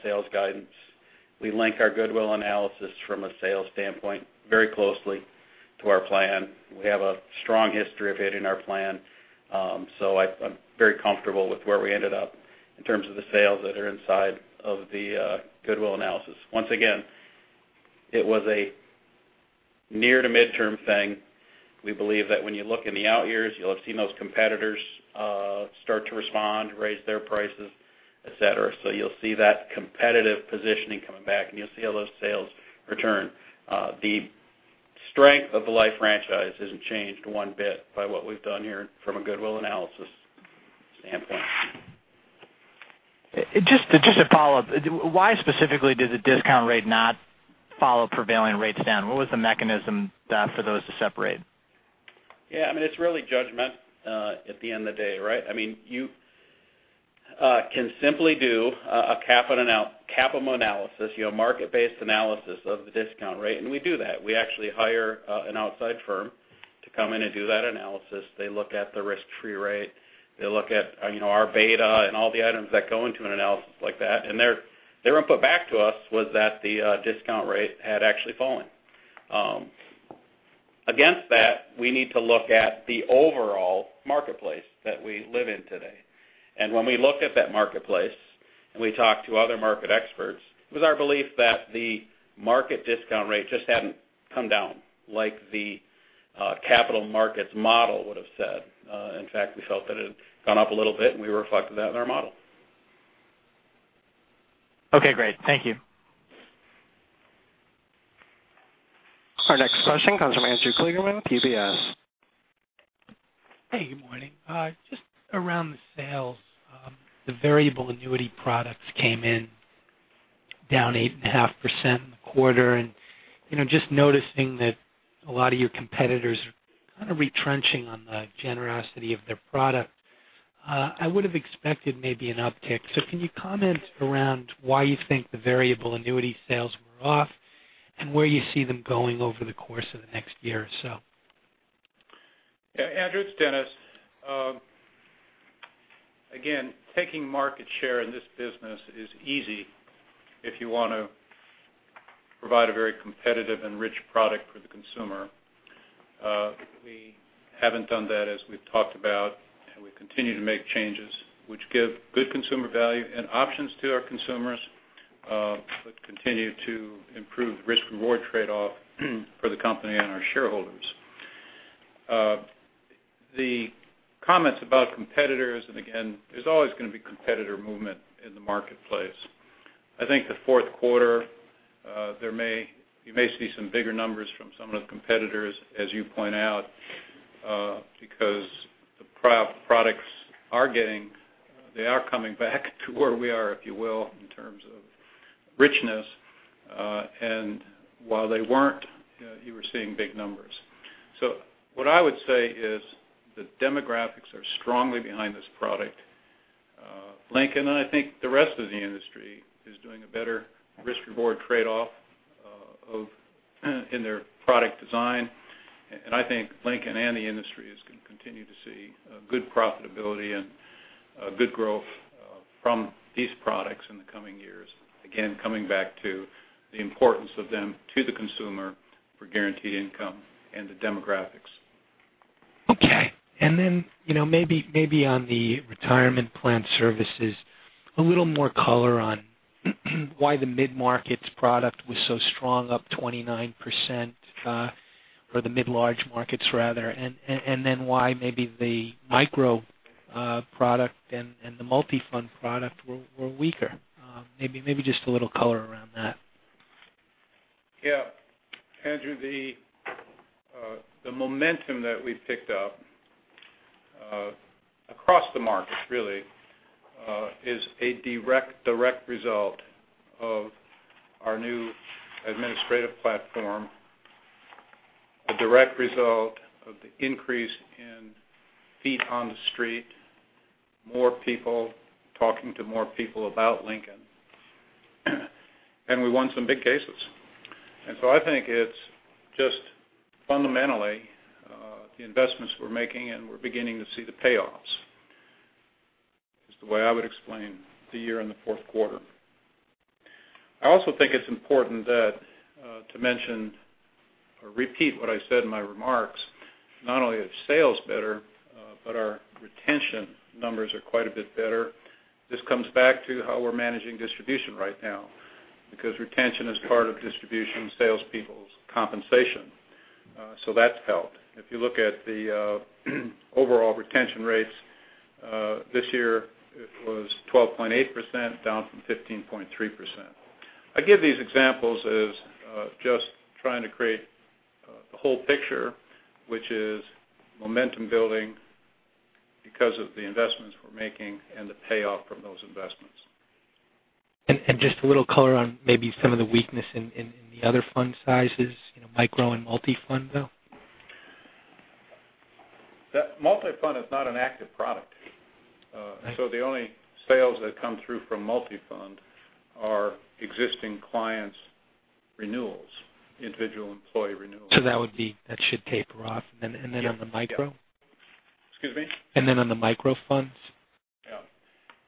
sales guidance. We link our goodwill analysis from a sales standpoint very closely to our plan. We have a strong history of hitting our plan. I'm very comfortable with where we ended up in terms of the sales that are inside of the goodwill analysis. Once again, it was a near to midterm thing. We believe that when you look in the out years, you'll have seen those competitors start to respond, raise their prices, et cetera. You'll see that competitive positioning coming back, and you'll see all those sales return. The strength of the life franchise isn't changed one bit by what we've done here from a goodwill analysis standpoint. Just to follow up, why specifically did the discount rate not follow prevailing rates down? What was the mechanism for those to separate? Yeah, it's really judgment at the end of the day, right? You Can simply do a capital analysis, market-based analysis of the discount rate. We do that. We actually hire an outside firm to come in and do that analysis. They look at the risk-free rate, they look at our beta and all the items that go into an analysis like that. Their input back to us was that the discount rate had actually fallen. Against that, we need to look at the overall marketplace that we live in today. When we look at that marketplace and we talk to other market experts, it was our belief that the market discount rate just hadn't come down like the capital markets model would've said. In fact, we felt that it had gone up a little bit, and we reflected that in our model. Okay, great. Thank you. Our next question comes from Andrew Kligerman with UBS. Hey, good morning. Just around the sales. The variable annuity products came in down 8.5% in the quarter. Noticing that a lot of your competitors are kind of retrenching on the generosity of their product. I would have expected maybe an uptick. Can you comment around why you think the variable annuity sales were off and where you see them going over the course of the next year or so? Yeah, Andrew, it's Dennis. Taking market share in this business is easy if you want to provide a very competitive and rich product for the consumer. We haven't done that as we've talked about. We continue to make changes which give good consumer value and options to our consumers but continue to improve risk/reward trade-off for the company and our shareholders. The comments about competitors. Again, there's always going to be competitor movement in the marketplace. I think the fourth quarter, you may see some bigger numbers from some of the competitors, as you point out, because the products are coming back to where we are, if you will, in terms of richness. While they weren't, you were seeing big numbers. What I would say is the demographics are strongly behind this product. Lincoln, I think the rest of the industry, is doing a better risk/reward trade-off in their product design. I think Lincoln and the industry is going to continue to see good profitability and good growth from these products in the coming years. Coming back to the importance of them to the consumer for guaranteed income and the demographics. Okay. Maybe on the Retirement Plan Services, a little more color on why the mid-markets product was so strong, up 29%, or the mid large markets rather, why maybe the micro product and the multi-fund product were weaker. Maybe just a little color around that. Yeah. Andrew, the momentum that we picked up across the market really is a direct result of our new administrative platform, a direct result of the increase in feet on the street, more people talking to more people about Lincoln, we won some big cases. I think it's just fundamentally the investments we're making, and we're beginning to see the payoffs. It's the way I would explain the year in the fourth quarter. I also think it's important to mention or repeat what I said in my remarks, not only are sales better, but our retention numbers are quite a bit better. This comes back to how we're managing distribution right now because retention is part of distribution salespeople's compensation. That's helped. If you look at the overall retention rates, this year it was 12.8%, down from 15.3%. I give these examples as just trying to create the whole picture, which is momentum building because of the investments we're making and the payoff from those investments. Just a little color on maybe some of the weakness in the other fund sizes, micro and multi-fund, though? Multi-fund is not an active product. The only sales that come through from multi-fund are existing clients' renewals, individual employee renewals. That should taper off. Then on the micro? Excuse me? Then on the micro funds?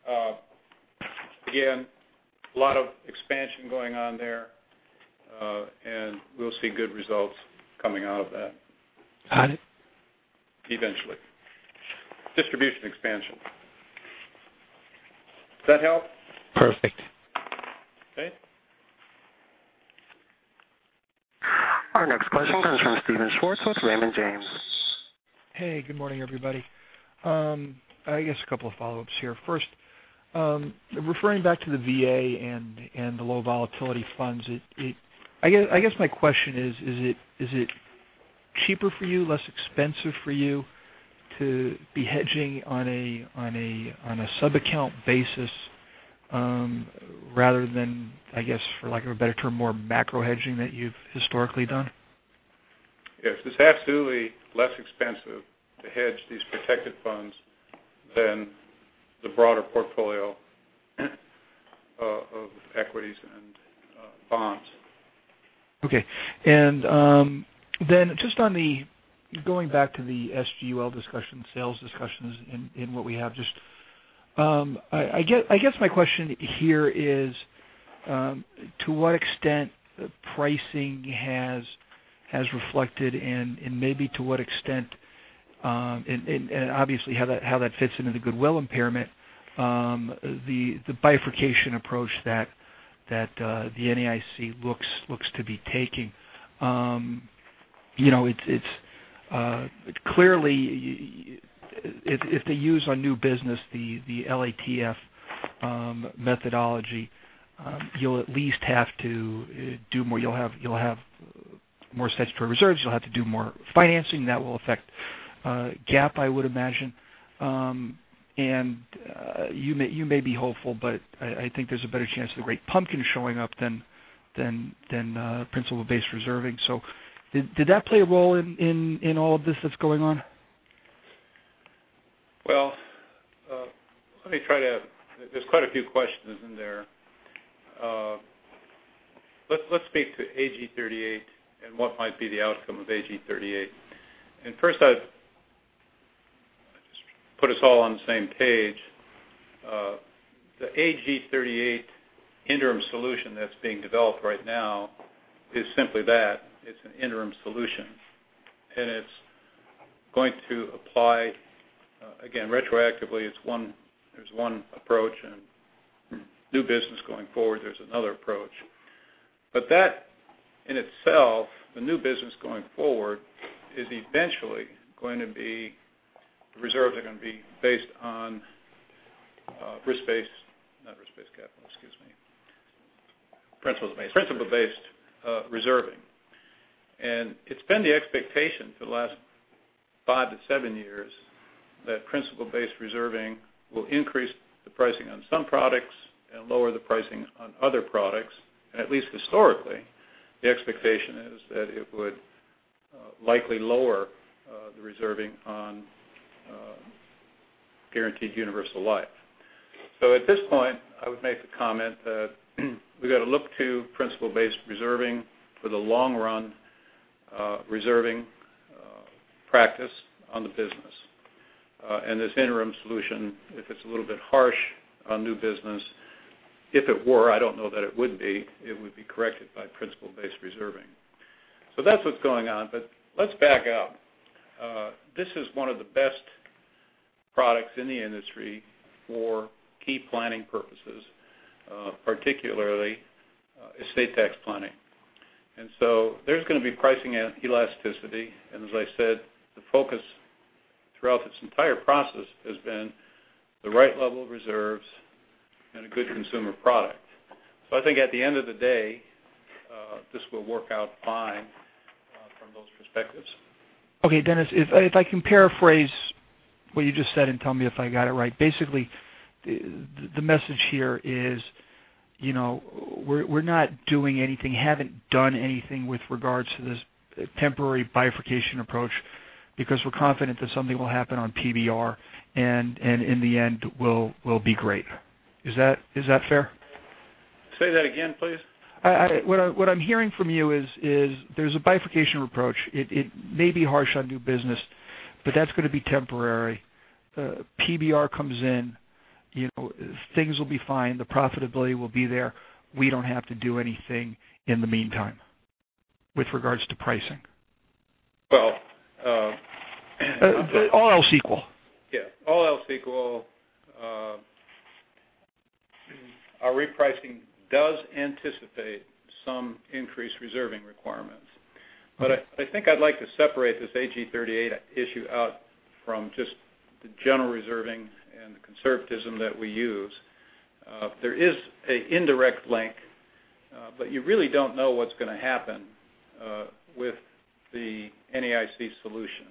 Yeah. Again, a lot of expansion going on there. We'll see good results coming out of that. On it? Eventually. Distribution expansion. Does that help? Perfect. Okay. Our next question comes from Steven Schwartz with Raymond James. Hey, good morning, everybody. I guess a couple of follow-ups here. First, referring back to the VA and the low volatility funds, I guess my question is it cheaper for you, less expensive for you to be hedging on a sub-account basis rather than, I guess, for lack of a better term, more macro hedging that you've historically done? Yes. It's absolutely less expensive to hedge these protected funds than the broader portfolio of equities and bonds. Okay. Just going back to the SGUL discussion, sales discussions, and what we have, just, I guess my question here is, to what extent pricing has reflected and maybe to what extent, and obviously how that fits into the goodwill impairment, the bifurcation approach that the NAIC looks to be taking. Clearly, if they use our new business, the LATF methodology, you'll at least have to do more. You'll have more statutory reserves. You'll have to do more financing. That will affect GAAP, I would imagine. You may be hopeful, but I think there's a better chance of the great pumpkin showing up than principle-based reserving. Did that play a role in all of this that's going on? Well, there's quite a few questions in there. Let's speak to AG 38 and what might be the outcome of AG 38. First, I just want to put us all on the same page. The AG 38 interim solution that's being developed right now is simply that. It's an interim solution. It's going to apply, again, retroactively. There's one approach in new business going forward, there's another approach. That in itself, the new business going forward, the reserves are going to be based on principle-based reserving. It's been the expectation for the last five to seven years that principle-based reserving will increase the pricing on some products and lower the pricing on other products. At least historically, the expectation is that it would likely lower the reserving on guaranteed universal life. At this point, I would make the comment that we've got to look to principle-based reserving for the long-run reserving practice on the business. This interim solution, if it's a little bit harsh on new business, if it were, I don't know that it would be, it would be corrected by principle-based reserving. That's what's going on. Let's back up. This is one of the best products in the industry for key planning purposes, particularly estate tax planning. There's going to be pricing elasticity. As I said, the focus throughout this entire process has been the right level of reserves and a good consumer product. I think at the end of the day, this will work out fine from those perspectives. Okay, Dennis, if I can paraphrase what you just said and tell me if I got it right. Basically, the message here is we're not doing anything, haven't done anything with regards to this temporary bifurcation approach because we're confident that something will happen on PBR, and in the end will be great. Is that fair? Say that again, please. What I'm hearing from you is there's a bifurcation approach. It may be harsh on new business, that's going to be temporary. PBR comes in, things will be fine. The profitability will be there. We don't have to do anything in the meantime with regards to pricing. Well- All else equal. All else equal, our repricing does anticipate some increased reserving requirements. I think I'd like to separate this AG 38 issue out from just the general reserving and the conservatism that we use. There is an indirect link, but you really don't know what's going to happen with the NAIC solution.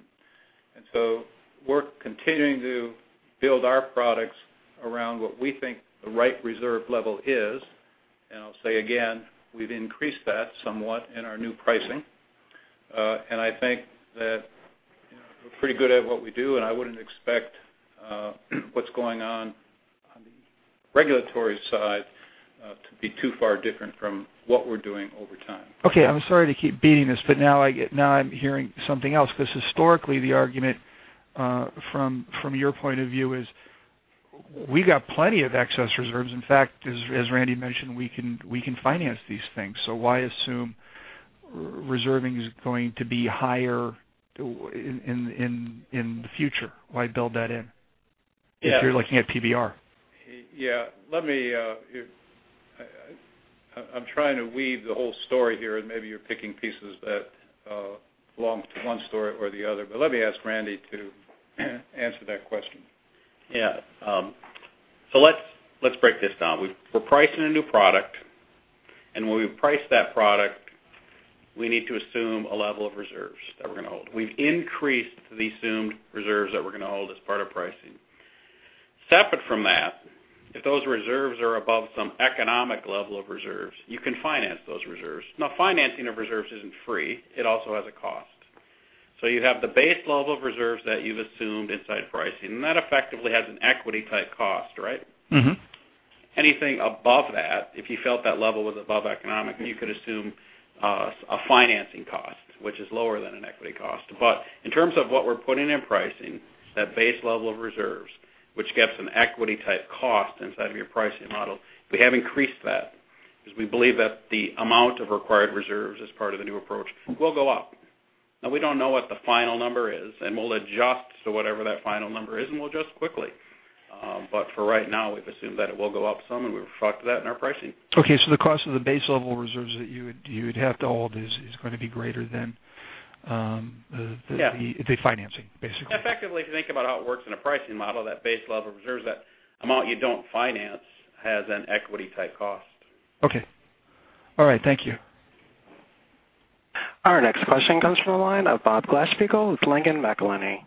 We're continuing to build our products around what we think the right reserve level is. I'll say again, we've increased that somewhat in our new pricing. I think that we're pretty good at what we do, and I wouldn't expect what's going on on the regulatory side to be too far different from what we're doing over time. I'm sorry to keep beating this, now I'm hearing something else. Because historically, the argument from your point of view is we got plenty of excess reserves. In fact, as Randy mentioned, we can finance these things. Why assume reserving is going to be higher in the future? Why build that in- Yeah if you're looking at PBR? Yeah. I'm trying to weave the whole story here, maybe you're picking pieces that belong to one story or the other. Let me ask Randy to answer that question. Yeah. Let's break this down. We're pricing a new product. When we price that product, we need to assume a level of reserves that we're going to hold. We've increased the assumed reserves that we're going to hold as part of pricing. Separate from that, if those reserves are above some economic level of reserves, you can finance those reserves. Financing of reserves isn't free. It also has a cost. You have the base level of reserves that you've assumed inside pricing, that effectively has an equity-type cost, right? Anything above that, if you felt that level was above economic, you could assume a financing cost, which is lower than an equity cost. In terms of what we're putting in pricing, that base level of reserves, which gets an equity-type cost inside of your pricing model, we have increased that because we believe that the amount of required reserves as part of the new approach will go up. We don't know what the final number is, we'll adjust to whatever that final number is, we'll adjust quickly. For right now, we've assumed that it will go up some, we've reflected that in our pricing. Okay, the cost of the base level reserves that you would have to hold is going to be greater than- Yeah the financing, basically. Effectively, if you think about how it works in a pricing model, that base level reserves, that amount you don't finance, has an equity-type cost. Okay. All right. Thank you. Our next question comes from the line of Bob Glasspiegel with Langen McAlenney.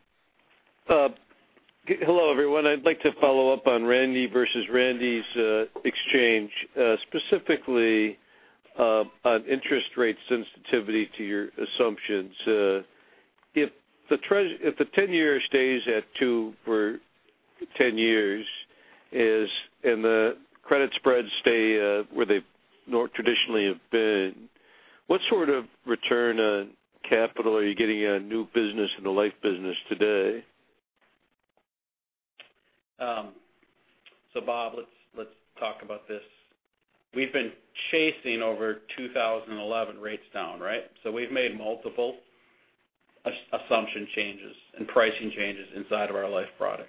Hello, everyone. I'd like to follow up on Randy versus Randy's exchange, specifically on interest rate sensitivity to your assumptions. If the 10-year stays at two for 10 years, and the credit spreads stay where they traditionally have been, what sort of return on capital are you getting on new business in the life business today? Bob, let's talk about this. We've been chasing over 2011 rates down, right? We've made multiple assumption changes and pricing changes inside of our life products.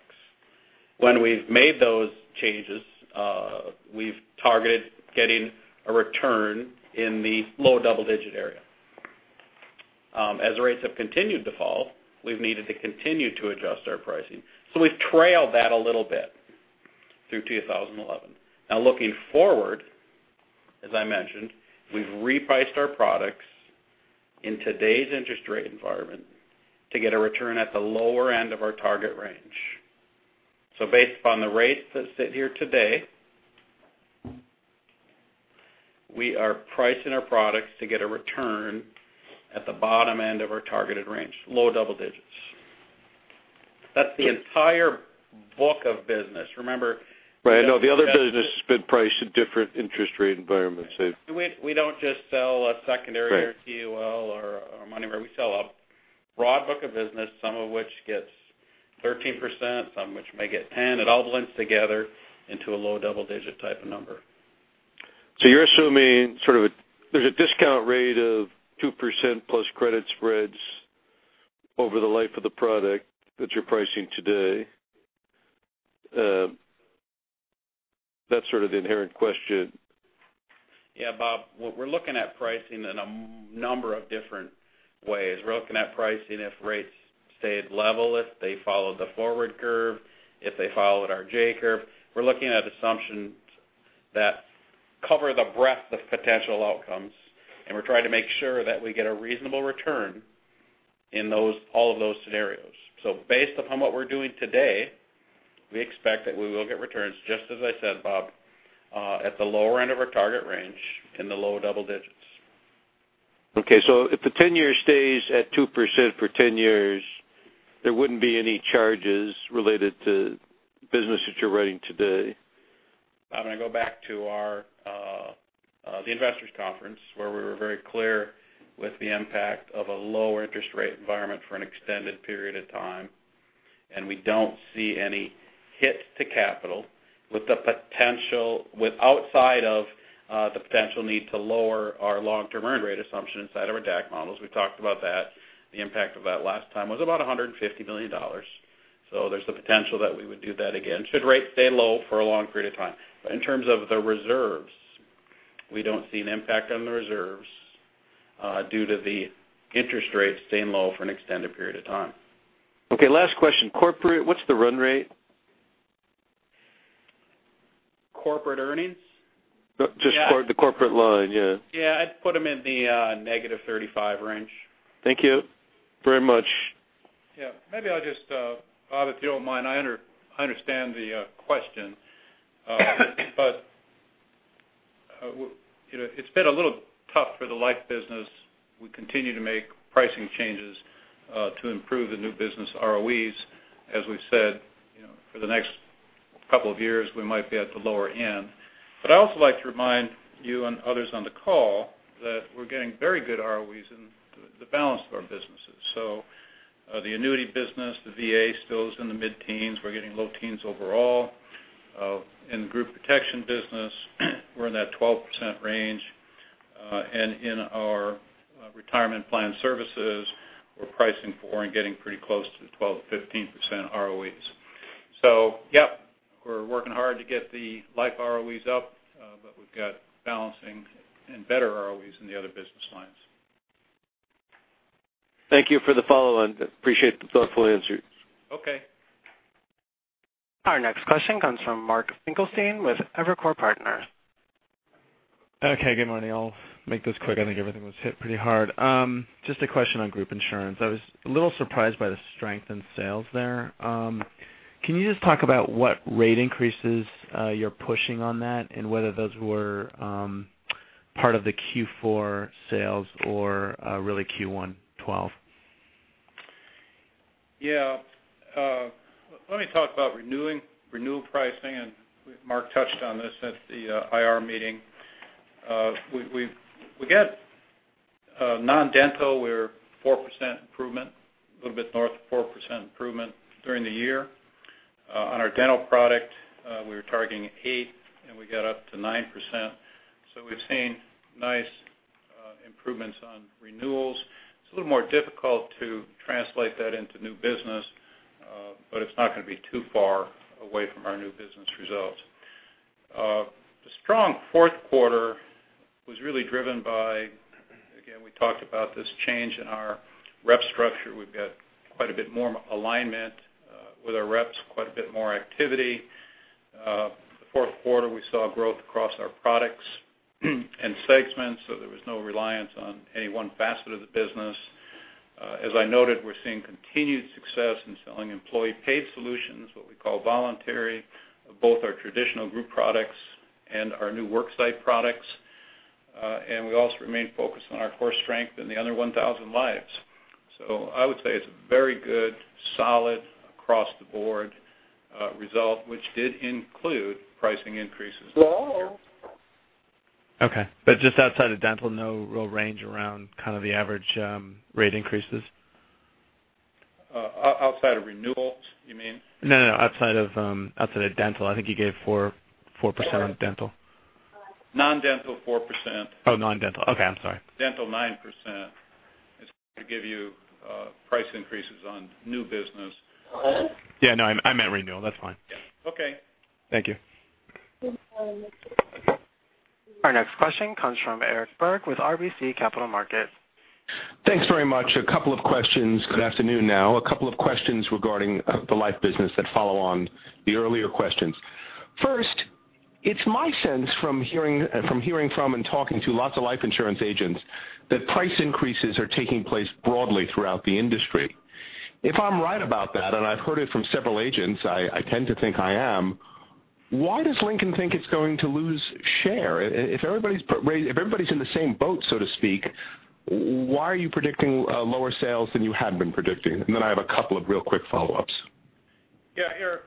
When we've made those changes, we've targeted getting a return in the low double-digit area. As rates have continued to fall, we've needed to continue to adjust our pricing. We've trailed that a little bit through 2011. Now, looking forward, as I mentioned, we've repriced our products in today's interest rate environment to get a return at the lower end of our target range. Based upon the rates that sit here today, we are pricing our products to get a return at the bottom end of our targeted range, low double digits. That's the entire book of business. Remember- Right. No, the other business has been priced at different interest rate environments. We don't just sell a secondary- Right or UL or MoneyGuard where we sell a broad book of business, some of which gets 13%, some of which may get 10%. It all blends together into a low double-digit type of number. You're assuming there's a discount rate of 2% plus credit spreads over the life of the product that you're pricing today. That's sort of the inherent question. Yeah, Bob. We're looking at pricing in a number of different ways. We're looking at pricing if rates stayed level, if they followed the forward curve, if they followed our J curve. We're looking at assumptions that cover the breadth of potential outcomes, and we're trying to make sure that we get a reasonable return in all of those scenarios. Based upon what we're doing today, we expect that we will get returns, just as I said, Bob, at the lower end of our target range in the low double digits. Okay. If the 10-year stays at 2% for 10 years, there wouldn't be any charges related to business that you're writing today. I'm going to go back to the Investors' Conference, where we were very clear with the impact of a lower interest rate environment for an extended period of time. We don't see any hits to capital outside of the potential need to lower our long-term earn rate assumption inside of our DAC models. We talked about that. The impact of that last time was about $150 million. There's the potential that we would do that again should rates stay low for a long period of time. In terms of the reserves, we don't see an impact on the reserves due to the interest rates staying low for an extended period of time. Okay, last question. Corporate, what's the run rate? Corporate earnings? Just the Corporate line, yeah. Yeah, I'd put them in the negative 35 range. Thank you very much. Yeah. Maybe I'll just, Bob, if you don't mind. I understand the question. It's been a little tough for the life business. We continue to make pricing changes to improve the new business ROEs. As we've said, for the next couple of years, we might be at the lower end. I'd also like to remind you and others on the call that we're getting very good ROEs in the balance of our businesses. The annuity business, the VA still is in the mid-teens. We're getting low teens overall. In the Group Protection business, we're in that 12% range. And in our Retirement Plan Services, we're pricing for and getting pretty close to 12%-15% ROEs. Yeah, we're working hard to get the life ROEs up, but we've got balancing and better ROEs in the other business lines. Thank you for the follow-on. Appreciate the thoughtful answers. Okay. Our next question comes from Mark Finkelstein with Evercore Partners. Okay, good morning. I'll make this quick. I think everything was hit pretty hard. Just a question on group insurance. I was a little surprised by the strength in sales there. Can you just talk about what rate increases you're pushing on that and whether those were part of the Q4 sales or really Q1 2012? Let me talk about renewal pricing, and Mark touched on this at the IR meeting. We get non-dental, we're 4% improvement, a little bit north of 4% improvement during the year. On our dental product, we were targeting 8% and we got up to 9%. We've seen nice improvements on renewals. It's a little more difficult to translate that into new business, but it's not going to be too far away from our new business results. The strong fourth quarter was really driven by, again, we talked about this change in our rep structure. We've got quite a bit more alignment with our reps, quite a bit more activity. The fourth quarter, we saw growth across our products and segments, so there was no reliance on any one facet of the business. As I noted, we're seeing continued success in selling employee paid solutions, what we call voluntary, both our traditional group products and our new worksite products. We also remain focused on our core strength in the other 1,000 lives. I would say it's a very good, solid, across-the-board result, which did include pricing increases. Okay. Just outside of dental, no real range around kind of the average rate increases? Outside of renewals, you mean? No, outside of dental. I think you gave 4% on dental. Non-dental, 4%. Oh, non-dental. Okay, I'm sorry. Dental, 9%, to give you price increases on new business. Yeah. No, I meant renewal. That's fine. Okay. Thank you. Our next question comes from Eric Berg with RBC Capital Markets. Thanks very much. A couple of questions. Good afternoon now. A couple of questions regarding the life business that follow on the earlier questions. First, it's my sense from hearing from and talking to lots of life insurance agents, that price increases are taking place broadly throughout the industry. If I'm right about that, and I've heard it from several agents, I tend to think I am, why does Lincoln think it's going to lose share? If everybody's in the same boat, so to speak, why are you predicting lower sales than you had been predicting? I have a couple of real quick follow-ups. Yeah, Eric.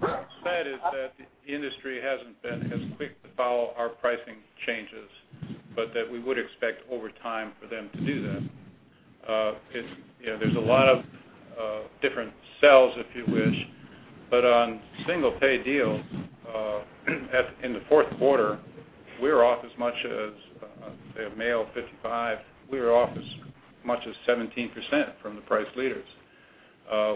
What I've said is that the industry hasn't been as quick to follow our pricing changes, we would expect over time for them to do that. There's a lot of different sales, if you wish. On single-pay deals, in the fourth quarter, we were off as much as, say, a male, 55. We were off as much as 17% from the price leaders.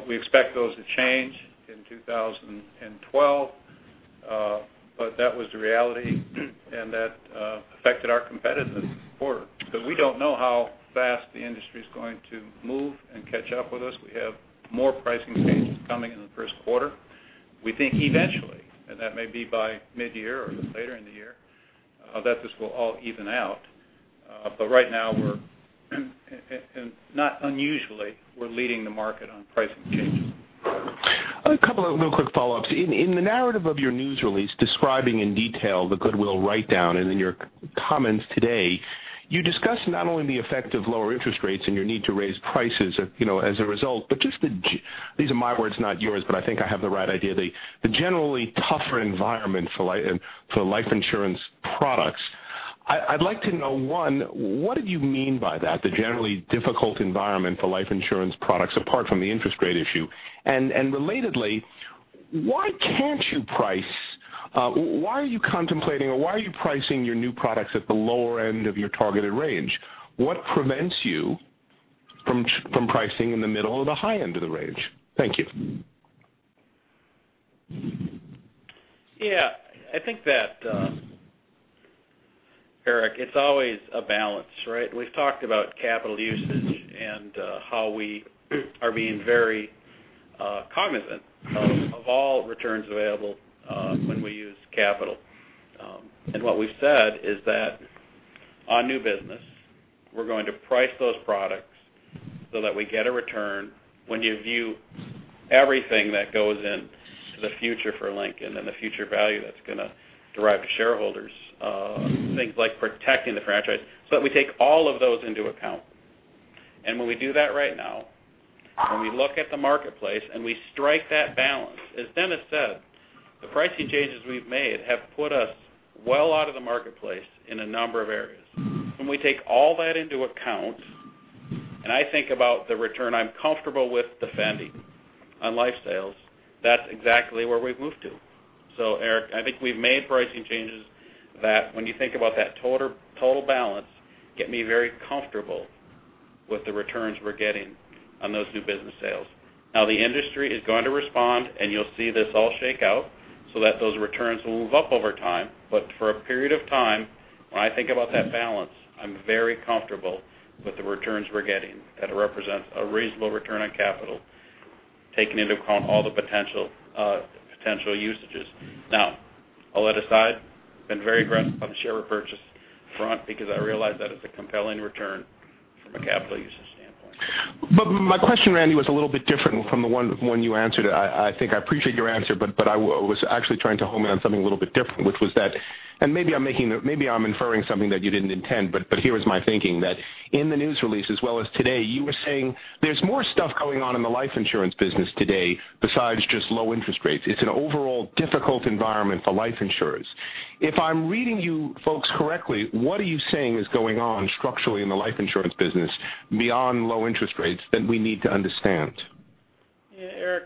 We expect those to change in 2012. That was the reality, and that affected our competitiveness in the quarter. Because we don't know how fast the industry's going to move and catch up with us. We have more pricing changes coming in the first quarter. We think eventually, and that may be by mid-year or later in the year, that this will all even out. Right now, not unusually, we're leading the market on pricing changes. A couple of real quick follow-ups. In the narrative of your news release describing in detail the goodwill write-down and in your comments today, you discuss not only the effect of lower interest rates and your need to raise prices as a result, but just the, these are my words, not yours, but I think I have the right idea, the generally tougher environment for life insurance products. I'd like to know, one, what did you mean by that, the generally difficult environment for life insurance products, apart from the interest rate issue? Relatedly, why can't you price? Why are you contemplating or why are you pricing your new products at the lower end of your targeted range? What prevents you from pricing in the middle or the high end of the range? Thank you. Yeah. I think that, Eric, it's always a balance, right? We've talked about capital usage and how we are being very cognizant of all returns available when we use capital. What we've said is that on new business, we're going to price those products so that we get a return when you view everything that goes into the future for Lincoln and the future value that's going to derive to shareholders, things like protecting the franchise. That we take all of those into account. When we do that right now, when we look at the marketplace and we strike that balance, as Dennis said, the pricing changes we've made have put us well out of the marketplace in a number of areas. When we take all that into account, I think about the return I'm comfortable with defending on life sales, that's exactly where we've moved to. Eric, I think we've made pricing changes that when you think about that total balance, get me very comfortable with the returns we're getting on those new business sales. The industry is going to respond, you'll see this all shake out so that those returns will move up over time. For a period of time, when I think about that balance, I'm very comfortable with the returns we're getting that represents a reasonable return on capital Taking into account all the potential usages. All that aside, been very aggressive on the share repurchase front because I realize that it's a compelling return from a capital usage standpoint. My question, Randy, was a little bit different from the one you answered. I think I appreciate your answer, I was actually trying to home in on something a little bit different, which was that, maybe I'm inferring something that you didn't intend, here was my thinking that in the news release as well as today, you were saying there's more stuff going on in the life insurance business today besides just low interest rates. It's an overall difficult environment for life insurers. If I'm reading you folks correctly, what are you saying is going on structurally in the life insurance business beyond low interest rates that we need to understand? Yeah, Eric,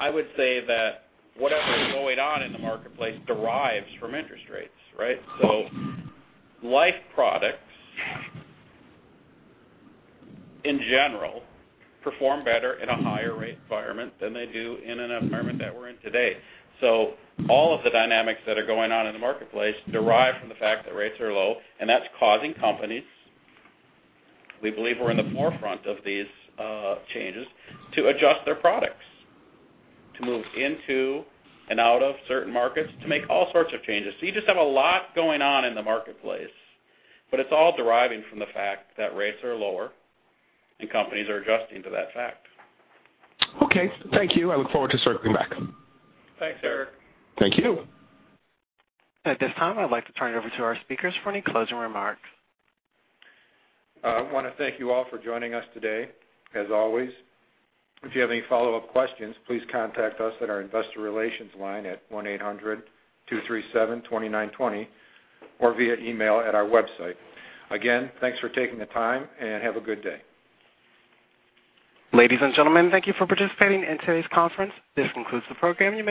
I would say that whatever is going on in the marketplace derives from interest rates, right? Life products, in general, perform better in a higher rate environment than they do in an environment that we're in today. All of the dynamics that are going on in the marketplace derive from the fact that rates are low, and that's causing companies, we believe we're in the forefront of these changes, to adjust their products, to move into and out of certain markets, to make all sorts of changes. You just have a lot going on in the marketplace, but it's all deriving from the fact that rates are lower and companies are adjusting to that fact. Okay. Thank you. I look forward to circling back. Thanks, Eric. Thank you. At this time, I'd like to turn it over to our speakers for any closing remarks. I want to thank you all for joining us today. As always, if you have any follow-up questions, please contact us at our investor relations line at 1-800-237-2920 or via email at our website. Again, thanks for taking the time, and have a good day. Ladies and gentlemen, thank you for participating in today's conference. This concludes the program. You may-